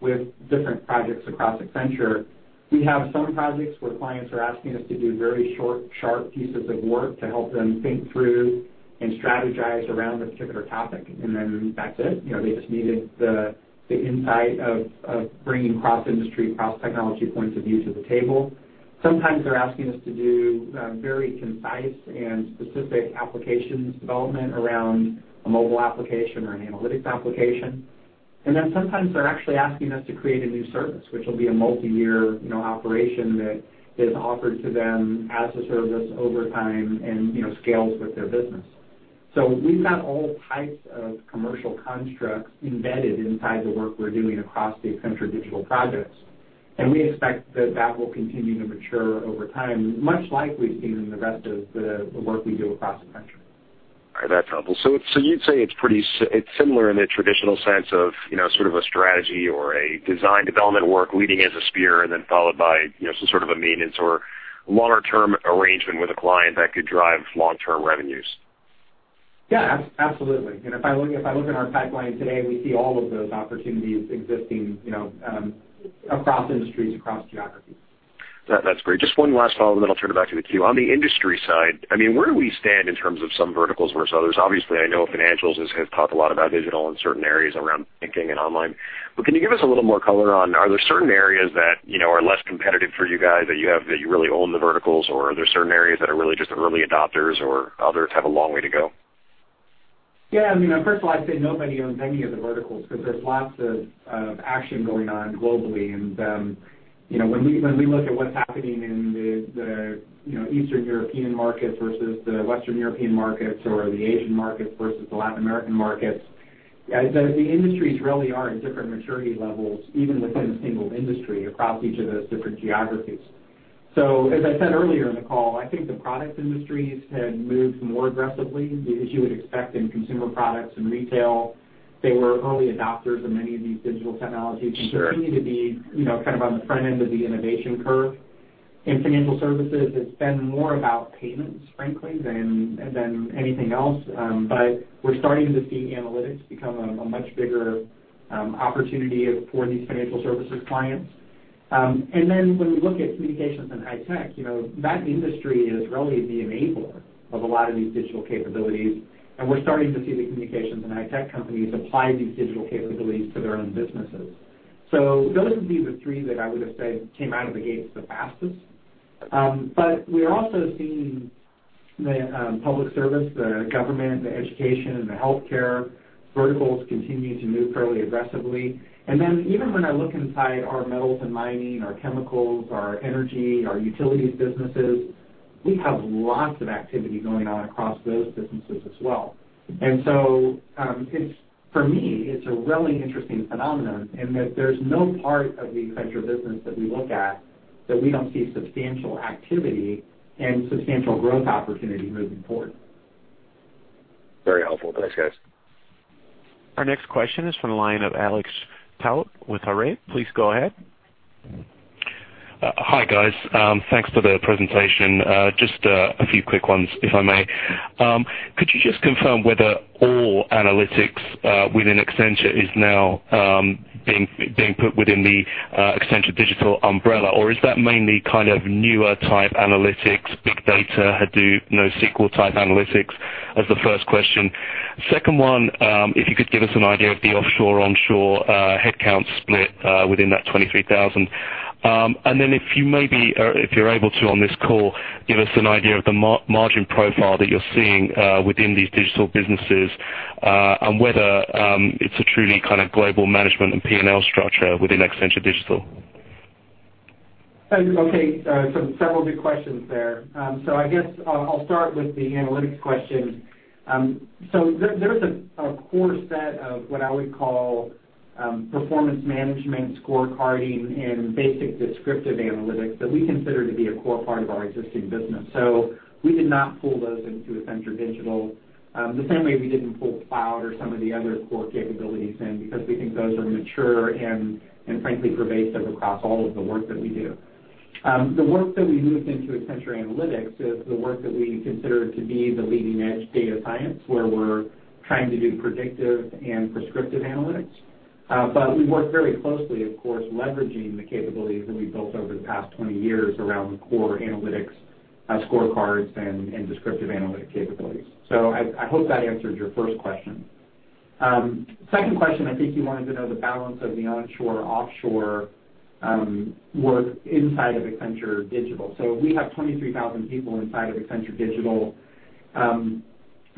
with different projects across Accenture. We have some projects where clients are asking us to do very short, sharp pieces of work to help them think through and strategize around a particular topic, and then that's it. They just needed the insight of bringing cross-industry, cross-technology points of view to the table. Sometimes they're asking us to do very concise and specific applications development around a mobile application or an analytics application. Sometimes they're actually asking us to create a new service, which will be a multi-year operation that is offered to them as a service over time and scales with their business. We've got all types of commercial constructs embedded inside the work we're doing across the Accenture Digital projects, and we expect that that will continue to mature over time, much like we've seen in the rest of the work we do across Accenture. All right. That's helpful. You'd say it's similar in the traditional sense of sort of a strategy or a design development work leading as a spear and then followed by some sort of a maintenance or longer-term arrangement with a client that could drive long-term revenues. Yeah. Absolutely. If I look at our pipeline today, we see all of those opportunities existing across industries, across geographies. That's great. Just one last follow-up, then I'll turn it back to the queue. On the industry side, where do we stand in terms of some verticals versus others? Obviously, I know Financials has talked a lot about digital in certain areas around banking and online. Can you give us a little more color on, are there certain areas that are less competitive for you guys that you have that you really own the verticals, or are there certain areas that are really just early adopters or others have a long way to go? Yeah. First of all, I'd say nobody owns any of the verticals because there's lots of action going on globally. When we look at what's happening in the Eastern European markets versus the Western European markets or the Asian markets versus the Latin American markets, the industries really are at different maturity levels, even within a single industry, across each of those different geographies. As I said earlier in the call, I think the product industries have moved more aggressively, as you would expect in consumer products and retail. They were early adopters of many of these digital technologies. Sure Continue to be kind of on the front end of the innovation curve. In Financial Services, it's been more about payments, frankly, than anything else. We're starting to see analytics become a much bigger opportunity for these Financial Services clients. When we look at Communications and High Tech, that industry is really the enabler of a lot of these digital capabilities, and we're starting to see the Communications and High Tech companies apply these digital capabilities to their own businesses. Those would be the three that I would've said came out of the gates the fastest. We're also seeing the Public Service, Government, Education, Healthcare verticals continue to move fairly aggressively. Even when I look inside our Metals and Mining, our Chemicals, our Energy, our Utilities businesses, we have lots of activity going on across those businesses as well. For me, it's a really interesting phenomenon in that there's no part of the Accenture business that we look at that we don't see substantial activity and substantial growth opportunity moving forward. Very helpful. Thanks, guys. Our next question is from the line of Alex Towle with Horwath. Please go ahead. Hi, guys. Thanks for the presentation. Just a few quick ones, if I may. Could you just confirm whether all analytics within Accenture is now being put within the Accenture Digital umbrella, or is that mainly kind of newer type analytics, big data, Hadoop, NoSQL type analytics? As the first question. Second one, if you could give us an idea of the offshore/onshore headcount split within that 23,000. Then if you maybe, if you're able to on this call, give us an idea of the margin profile that you're seeing within these digital businesses, and whether it's a truly kind of global management and P&L structure within Accenture Digital. Okay. Several good questions there. I guess I'll start with the analytics question. There is a core set of what I would call performance management scorecarding and basic descriptive analytics that we consider to be a core part of our existing business. We did not pull those into Accenture Digital. The same way we didn't pull cloud or some of the other core capabilities in because we think those are mature and frankly pervasive across all of the work that we do. The work that we moved into Accenture Analytics is the work that we consider to be the leading-edge data science, where we're trying to do predictive and prescriptive analytics. We work very closely, of course, leveraging the capabilities that we've built over the past 20 years around core analytics, scorecards, and descriptive analytic capabilities. I hope that answered your first question. Second question, I think you wanted to know the balance of the onshore/offshore work inside of Accenture Digital. We have 23,000 people inside of Accenture Digital.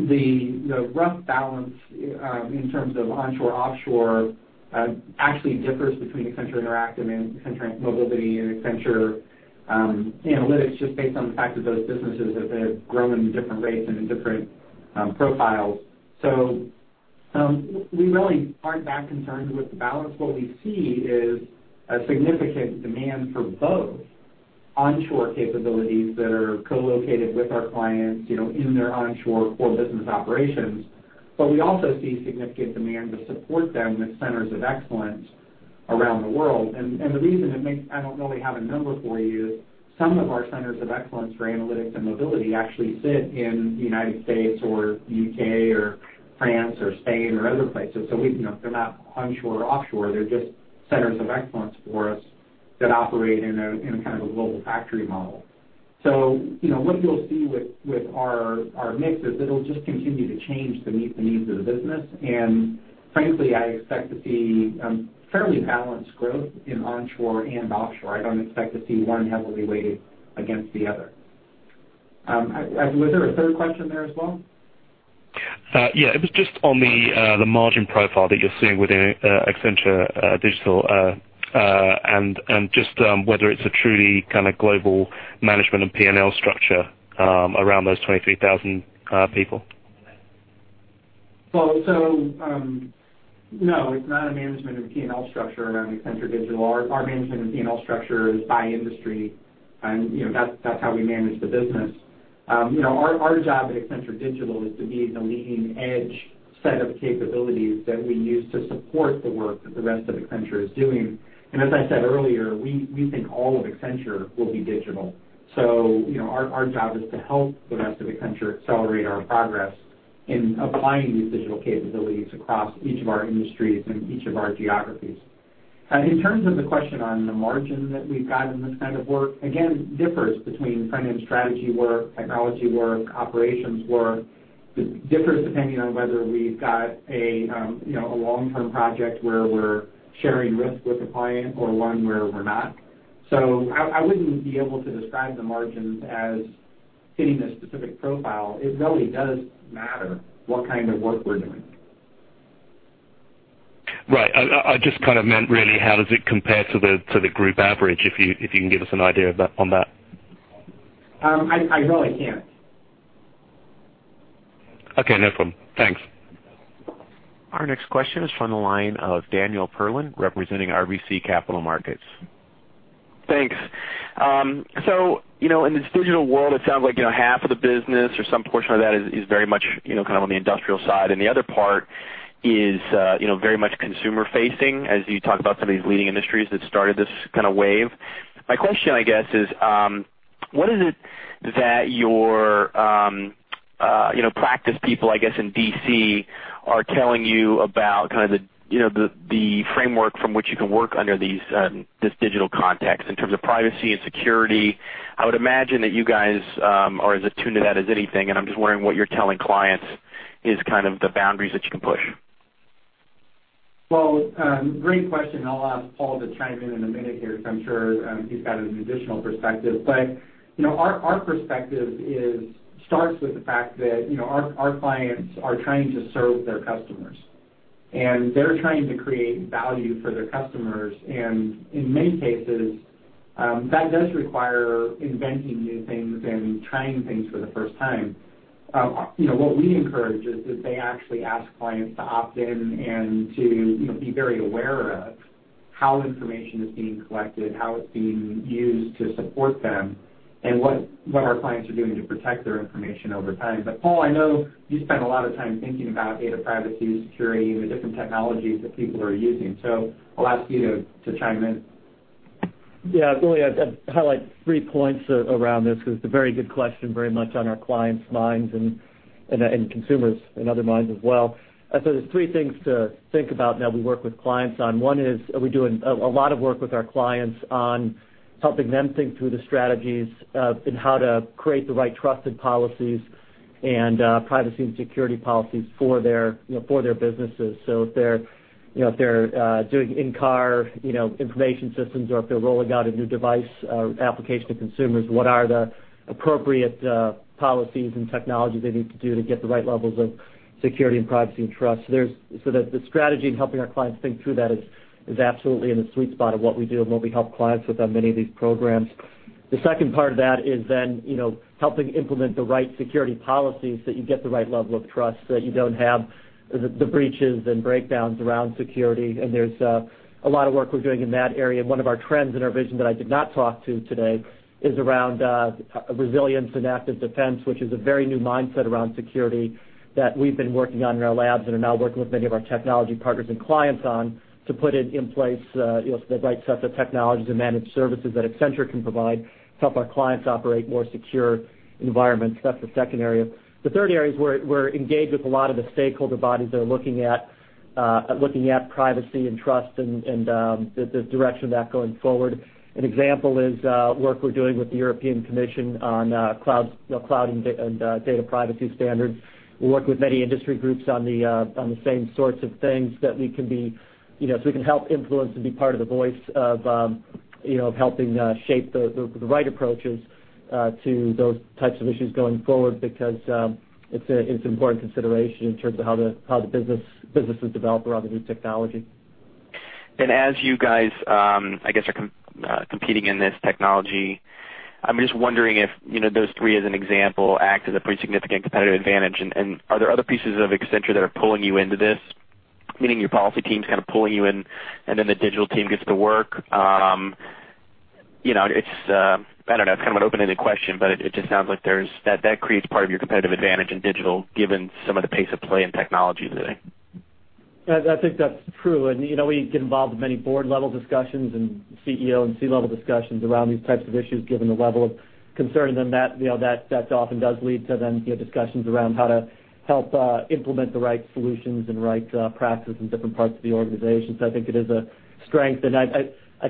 The rough balance in terms of onshore/offshore actually differs between Accenture Song and Accenture Mobility and Accenture Analytics, just based on the fact that those businesses have grown in different rates and in different profiles. We really aren't that concerned with the balance. What we see is a significant demand for both onshore capabilities that are co-located with our clients in their onshore core business operations. We also see significant demand to support them with centers of excellence around the world. The reason I don't really have a number for you is some of our centers of excellence for analytics and mobility actually sit in the United States or U.K. or France or Spain or other places. They're not onshore or offshore, they're just centers of excellence for us that operate in a kind of a global factory model. What you'll see with our mix is it'll just continue to change to meet the needs of the business, and frankly, I expect to see fairly balanced growth in onshore and offshore. I don't expect to see one heavily weighted against the other. Was there a third question there as well? Yeah. It was just on the margin profile that you're seeing within Accenture Digital and just whether it's a truly kind of global management and P&L structure around those 23,000 people. No, it's not a management and P&L structure around Accenture Digital. Our management and P&L structure is by industry and that's how we manage the business. Our job at Accenture Digital is to be the leading-edge set of capabilities that we use to support the work that the rest of Accenture is doing. As I said earlier, we think all of Accenture will be digital. Our job is to help the rest of Accenture accelerate our progress in applying these digital capabilities across each of our industries and each of our geographies. In terms of the question on the margin that we've got in this kind of work, again, differs between finance strategy work, technology work, operations work. It differs depending on whether we've got a long-term project where we're sharing risk with a client or one where we're not. I wouldn't be able to describe the margins as hitting a specific profile. It really does matter what kind of work we're doing. Right. I just kind of meant really how does it compare to the group average, if you can give us an idea on that. I really can't. Okay, no problem. Thanks. Our next question is from the line of Daniel Perlin, representing RBC Capital Markets. Thanks. In this digital world, it sounds like half of the business or some portion of that is very much kind of on the industrial side and the other part is very much consumer-facing as you talk about some of these leading industries that started this kind of wave. My question, I guess, is what is it that your practice people, I guess in D.C., are telling you about kind of the framework from which you can work under this digital context in terms of privacy and security? I would imagine that you guys are as attuned to that as anything, and I'm just wondering what you're telling clients is kind of the boundaries that you can push. Great question. I'll ask Paul to chime in in a minute here because I'm sure he's got an additional perspective. Our perspective starts with the fact that our clients are trying to serve their customers and they're trying to create value for their customers. In many cases, that does require inventing new things and trying things for the first time. What we encourage is that they actually ask clients to opt in and to be very aware of how information is being collected, how it's being used to support them, and what our clients are doing to protect their information over time. Paul, I know you spend a lot of time thinking about data privacy, security, and the different technologies that people are using. I'll ask you to chime in. Really, I'd highlight three points around this because it's a very good question very much on our clients' minds and consumers and other minds as well. There's three things to think about that we work with clients on. One is we're doing a lot of work with our clients on helping them think through the strategies in how to create the right trusted policies and privacy and security policies for their businesses. If they're doing in-car information systems or if they're rolling out a new device application to consumers, what are the appropriate policies and technologies they need to do to get the right levels of security and privacy and trust? The strategy in helping our clients think through that is absolutely in the sweet spot of what we do and what we help clients with on many of these programs. The second part of that is then helping implement the right security policies so that you get the right level of trust, that you don't have the breaches and breakdowns around security. There's a lot of work we're doing in that area. One of our trends in our vision that I did not talk to today is around resilience and active defense, which is a very new mindset around security that we've been working on in our labs and are now working with many of our technology partners and clients on to put it in place, the right sets of technologies and managed services that Accenture can provide to help our clients operate more secure environments. That's the second area. The third area is we're engaged with a lot of the stakeholder bodies that are looking at privacy and trust and the direction of that going forward. An example is work we're doing with the European Commission on cloud and data privacy standards. We work with many industry groups on the same sorts of things so we can help influence and be part of the voice of helping shape the right approaches to those types of issues going forward, because it's an important consideration in terms of how the businesses develop around the new technology. As you guys, I guess, are competing in this technology, I'm just wondering if those three, as an example, act as a pretty significant competitive advantage. Are there other pieces of Accenture that are pulling you into this? Meaning your policy team is kind of pulling you in, and then the digital team gets to work. I don't know. It's kind of an open-ended question, but it just sounds like that creates part of your competitive advantage in digital given some of the pace of play in technology today. I think that's true. We get involved in many board-level discussions and CEO and C-level discussions around these types of issues, given the level of concern. That often does lead to then discussions around how to help implement the right solutions and right practices in different parts of the organization. I think it is a strength, and I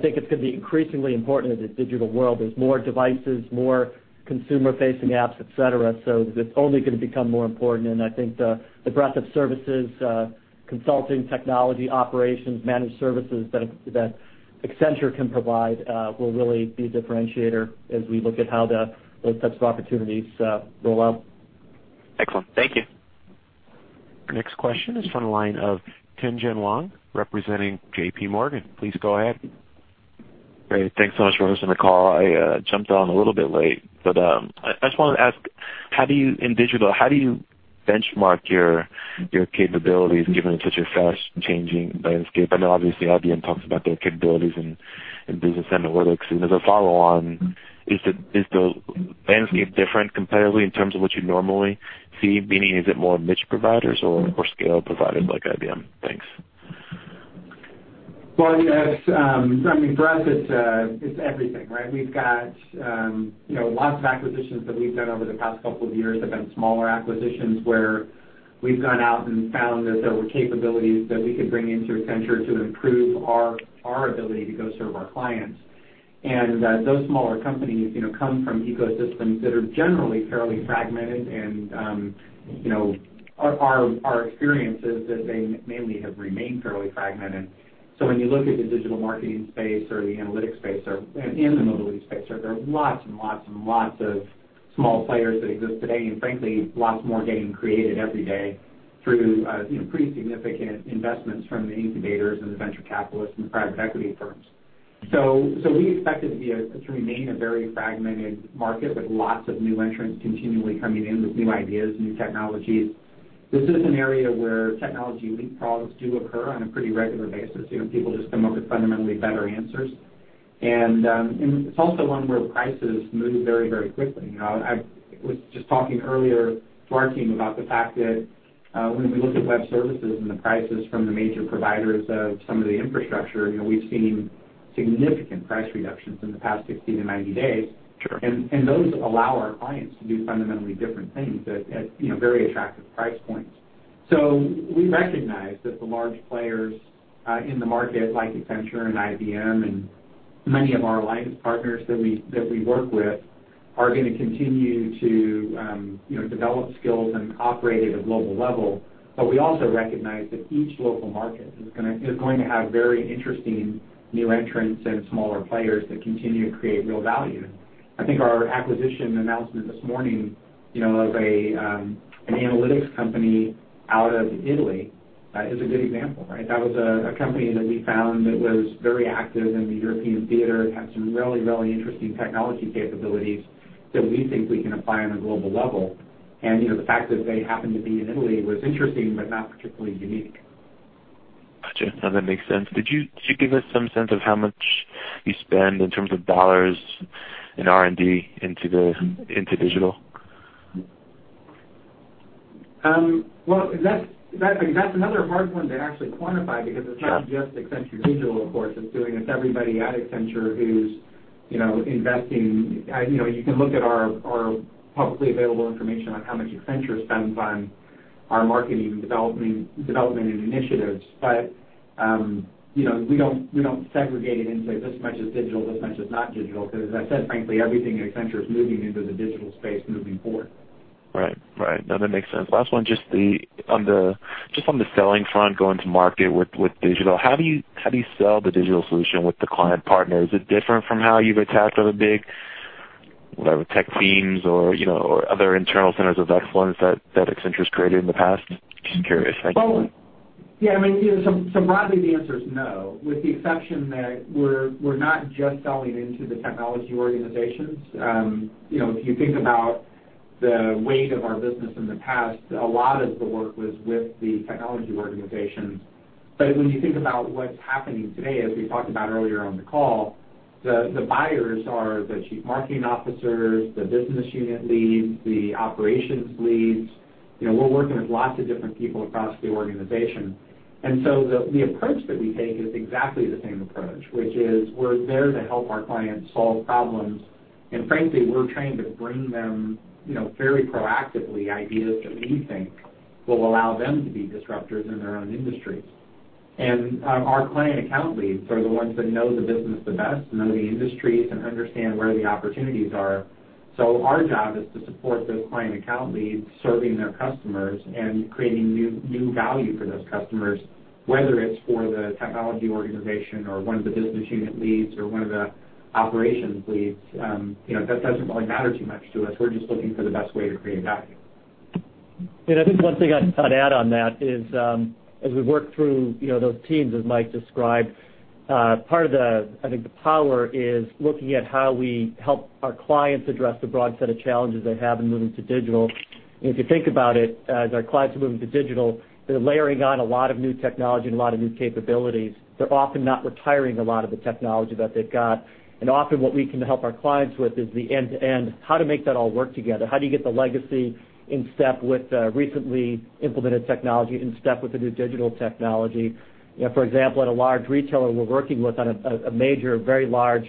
think it's going to be increasingly important in the digital world. There's more devices, more consumer-facing apps, et cetera. It's only going to become more important, and I think the breadth of services, consulting, technology, operations, managed services that Accenture can provide will really be a differentiator as we look at how those types of opportunities roll out. Excellent. Thank you. Next question is from the line of Tien-Tsin Huang, representing JPMorgan. Please go ahead. Great. Thanks so much for hosting the call. I jumped on a little bit late. I just wanted to ask, in digital, how do you benchmark your capabilities given it's such a fast-changing landscape? I know obviously IBM talks about their capabilities in business analytics. As a follow-on, is the landscape different competitively in terms of what you normally see? Meaning, is it more niche providers or scale providers like IBM? Thanks. Well, for us, it's everything, right? We've got lots of acquisitions that we've done over the past couple of years have been smaller acquisitions, where we've gone out and found that there were capabilities that we could bring into Accenture to improve our ability to go serve our clients. Those smaller companies come from ecosystems that are generally fairly fragmented, and our experience is that they mainly have remained fairly fragmented. When you look at the digital marketing space or the analytics space or the mobility space, there are lots and lots of small players that exist today, and frankly, lots more getting created every day through pretty significant investments from the incubators and the venture capitalists and the private equity firms. We expect it to remain a very fragmented market with lots of new entrants continually coming in with new ideas, new technologies. This is an area where technology leapfrogs do occur on a pretty regular basis. People just come up with fundamentally better answers. It's also one where prices move very quickly. I was just talking earlier to our team about the fact that when we look at web services and the prices from the major providers of some of the infrastructure, we've seen significant price reductions in the past 60-90 days. Sure. Those allow our clients to do fundamentally different things at very attractive price points. We recognize that the large players in the market, like Accenture and IBM and many of our alliance partners that we work with, are going to continue to develop skills and operate at a global level. We also recognize that each local market is going to have very interesting new entrants and smaller players that continue to create real value. I think our acquisition announcement this morning of an analytics company out of Italy is a good example, right? That was a company that we found that was very active in the European theater. It had some really interesting technology capabilities that we think we can apply on a global level. The fact that they happen to be in Italy was interesting, but not particularly unique. Got you. That makes sense. Could you give us some sense of how much you spend in terms of $ in R&D into digital? That's another hard one to actually quantify because it's not just Accenture Digital, of course. It's everybody at Accenture who's investing. You can look at our publicly available information on how much Accenture spends on our marketing and development initiatives. We don't segregate it and say, "This much is digital, this much is not digital," because as I said, frankly, everything at Accenture is moving into the digital space moving forward. Right. No, that makes sense. Last one, just on the selling front, going to market with digital, how do you sell the digital solution with the client partners? Is it different from how you've attacked other big tech themes or other internal centers of excellence that Accenture's created in the past? Just curious. Thank you. Yeah. Broadly, the answer is no, with the exception that we're not just selling into the technology organizations. If you think about the weight of our business in the past, a lot of the work was with the technology organizations. When you think about what's happening today, as we talked about earlier on the call, the buyers are the Chief Marketing Officers, the Business Unit Leads, the Operations Leads. We're working with lots of different people across the organization. The approach that we take is exactly the same approach, which is we're there to help our clients solve problems. Frankly, we're trying to bring them, very proactively, ideas that we think will allow them to be disruptors in their own industries. Our client account leads are the ones that know the business the best, know the industries, and understand where the opportunities are. Our job is to support those client account leads, serving their customers, and creating new value for those customers, whether it's for the technology organization or one of the Business Unit Leads or one of the Operations Leads. That doesn't really matter too much to us. We're just looking for the best way to create value. I think one thing I'd add on that is, as we work through those teams, as Mike described, part of the power is looking at how we help our clients address the broad set of challenges they have in moving to digital. If you think about it, as our clients are moving to digital, they're layering on a lot of new technology and a lot of new capabilities. They're often not retiring a lot of the technology that they've got. Often what we can help our clients with is the end-to-end, how to make that all work together. How do you get the legacy in step with recently implemented technology, in step with the new digital technology? For example, at a large retailer we're working with on a major, very large,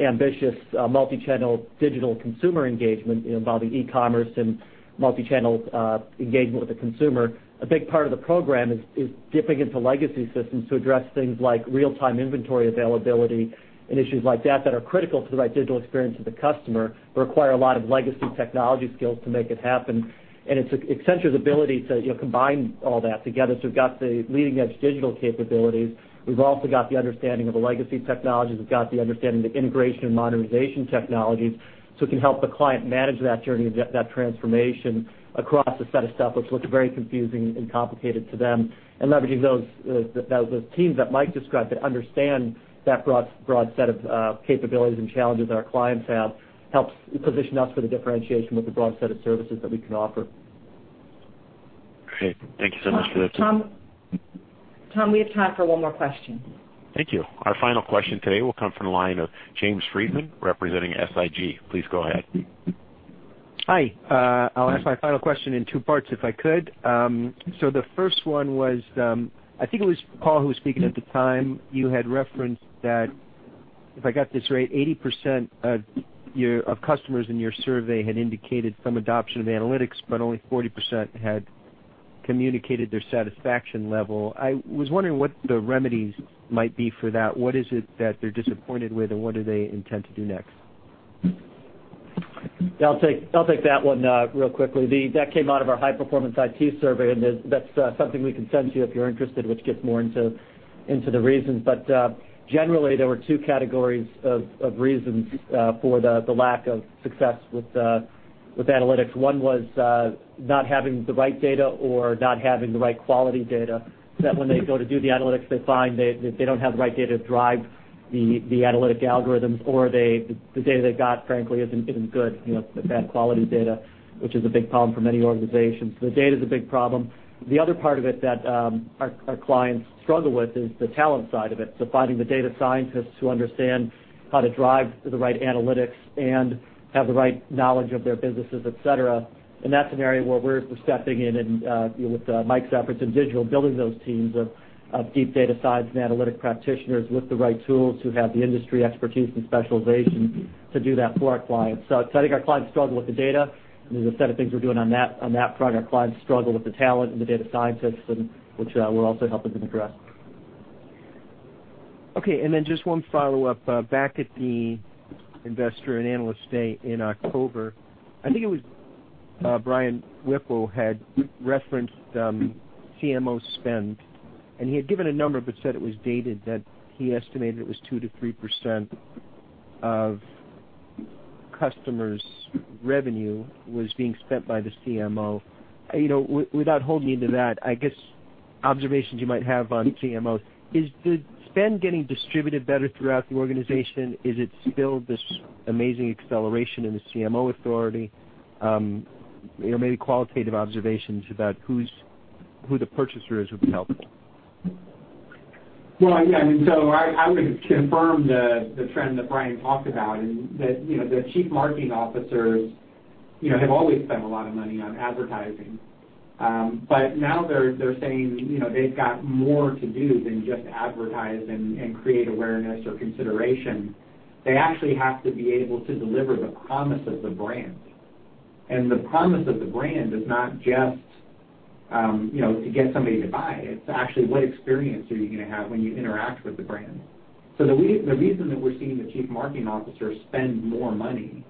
ambitious, multi-channel digital consumer engagement involving e-commerce and multi-channel engagement with the consumer, a big part of the program is dipping into legacy systems to address things like real-time inventory availability and issues like that are critical to the right digital experience of the customer, but require a lot of legacy technology skills to make it happen. It's Accenture's ability to combine all that together. We've got the leading-edge digital capabilities. We've also got the understanding of the legacy technologies. We've got the understanding of the integration and modernization technologies. We can help the client manage that journey, that transformation across a set of stuff which looks very confusing and complicated to them. Leveraging those teams that Mike described, that understand that broad set of capabilities and challenges our clients have, helps position us for the differentiation with the broad set of services that we can offer. Great. Thank you so much for that. Tom, we have time for one more question. Thank you. Our final question today will come from the line of James Friedman representing SIG. Please go ahead. Hi. I'll ask my final question in 2 parts if I could. The first one was, I think it was Paul who was speaking at the time, you had referenced that, if I got this right, 80% of customers in your survey had indicated some adoption of analytics, but only 40% had communicated their satisfaction level. I was wondering what the remedies might be for that. What is it that they're disappointed with, and what do they intend to do next? I'll take that one real quickly. That came out of our high-performance IT survey, and that's something we can send to you if you're interested, which gets more into the reasons. Generally, there were 2 categories of reasons for the lack of success with analytics. One was not having the right data or not having the right quality data, that when they go to do the analytics, they find that they don't have the right data to drive the analytic algorithms, or the data they got, frankly, isn't good. It's bad quality data, which is a big problem for many organizations. The data is a big problem. The other part of it that our clients struggle with is the talent side of it. Finding the data scientists who understand how to drive the right analytics and have the right knowledge of their businesses, et cetera. That's an area where we're stepping in and with Mike's efforts in Digital, building those teams of deep data science and analytic practitioners with the right tools who have the industry expertise and specialization to do that for our clients. I think our clients struggle with the data, and there's a set of things we're doing on that front. Our clients struggle with the talent and the data scientists, which we're also helping them address. Okay, just one follow-up. Back at the Investor and Analyst Day in October, I think it was Brian Whipple had referenced CMO spend, and he had given a number but said it was dated, that he estimated it was 2%-3% of customers' revenue was being spent by the CMO. Without holding you to that, I guess observations you might have on CMO. Is the spend getting distributed better throughout the organization? Is it still this amazing acceleration in the CMO authority? Maybe qualitative observations about who the purchaser is would be helpful. I would confirm the trend that Brian talked about in that the chief marketing officers have always spent a lot of money on advertising. Now they're saying they've got more to do than just advertise and create awareness or consideration. They actually have to be able to deliver the promise of the brand. The promise of the brand is not just to get somebody to buy it. It's actually what experience are you going to have when you interact with the brand. The reason that we're seeing the chief marketing officers spend more money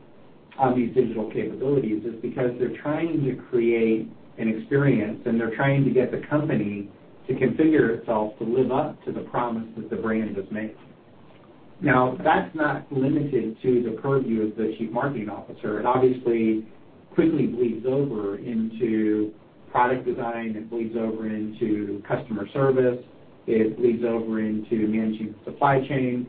on these digital capabilities is because they're trying to create an experience, and they're trying to get the company to configure itself to live up to the promise that the brand has made. That's not limited to the purview of the chief marketing officer. It obviously quickly bleeds over into product design, it bleeds over into customer service, it bleeds over into managing the supply chain.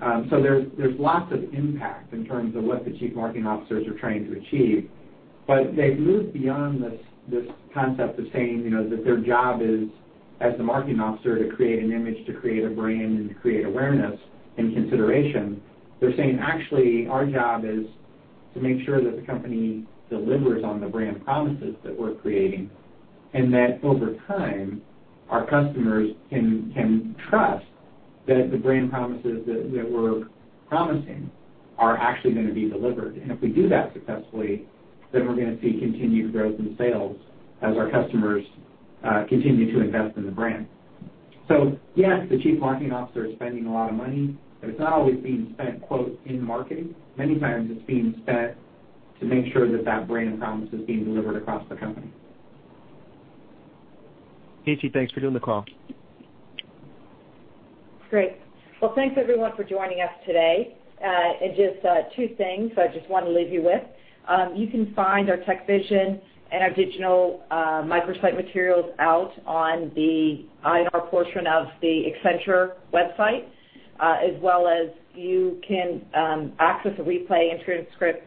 There's lots of impact in terms of what the chief marketing officers are trying to achieve. They've moved beyond this concept of saying that their job is as the marketing officer, to create an image, to create a brand, and to create awareness and consideration. They're saying, "Actually, our job is to make sure that the company delivers on the brand promises that we're creating, and that over time, our customers can trust that the brand promises that we're promising are actually going to be delivered. If we do that successfully, then we're going to see continued growth in sales as our customers continue to invest in the brand." Yes, the chief marketing officer is spending a lot of money, but it's not always being spent, quote, "in marketing." Many times it's being spent to make sure that that brand promise is being delivered across the company. AT&T, thanks for doing the call. Great. Well, thanks everyone for joining us today. Just two things I just want to leave you with. You can find our Tech Vision and our digital microsite materials out on the IR portion of the Accenture website, as well as you can access a replay and transcript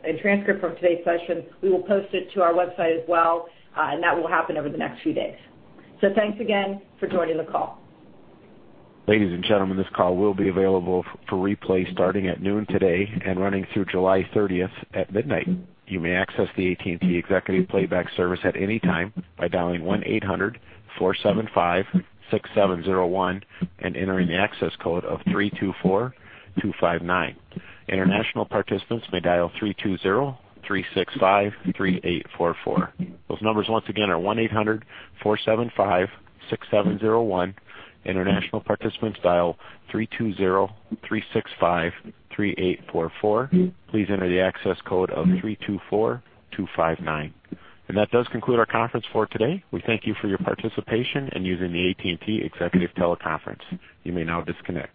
from today's session. We will post it to our website as well, and that will happen over the next few days. Thanks again for joining the call. Ladies and gentlemen, this call will be available for replay starting at noon today and running through July 30th at midnight. You may access the AT&T Executive Playback service at any time by dialing +1 800-475-6701 and entering the access code of 324259. International participants may dial 3203653844. Those numbers once again are +1 800-475-6701. International participants dial 3203653844. Please enter the access code of 324259. That does conclude our conference for today. We thank you for your participation in using the AT&T Executive Teleconference. You may now disconnect.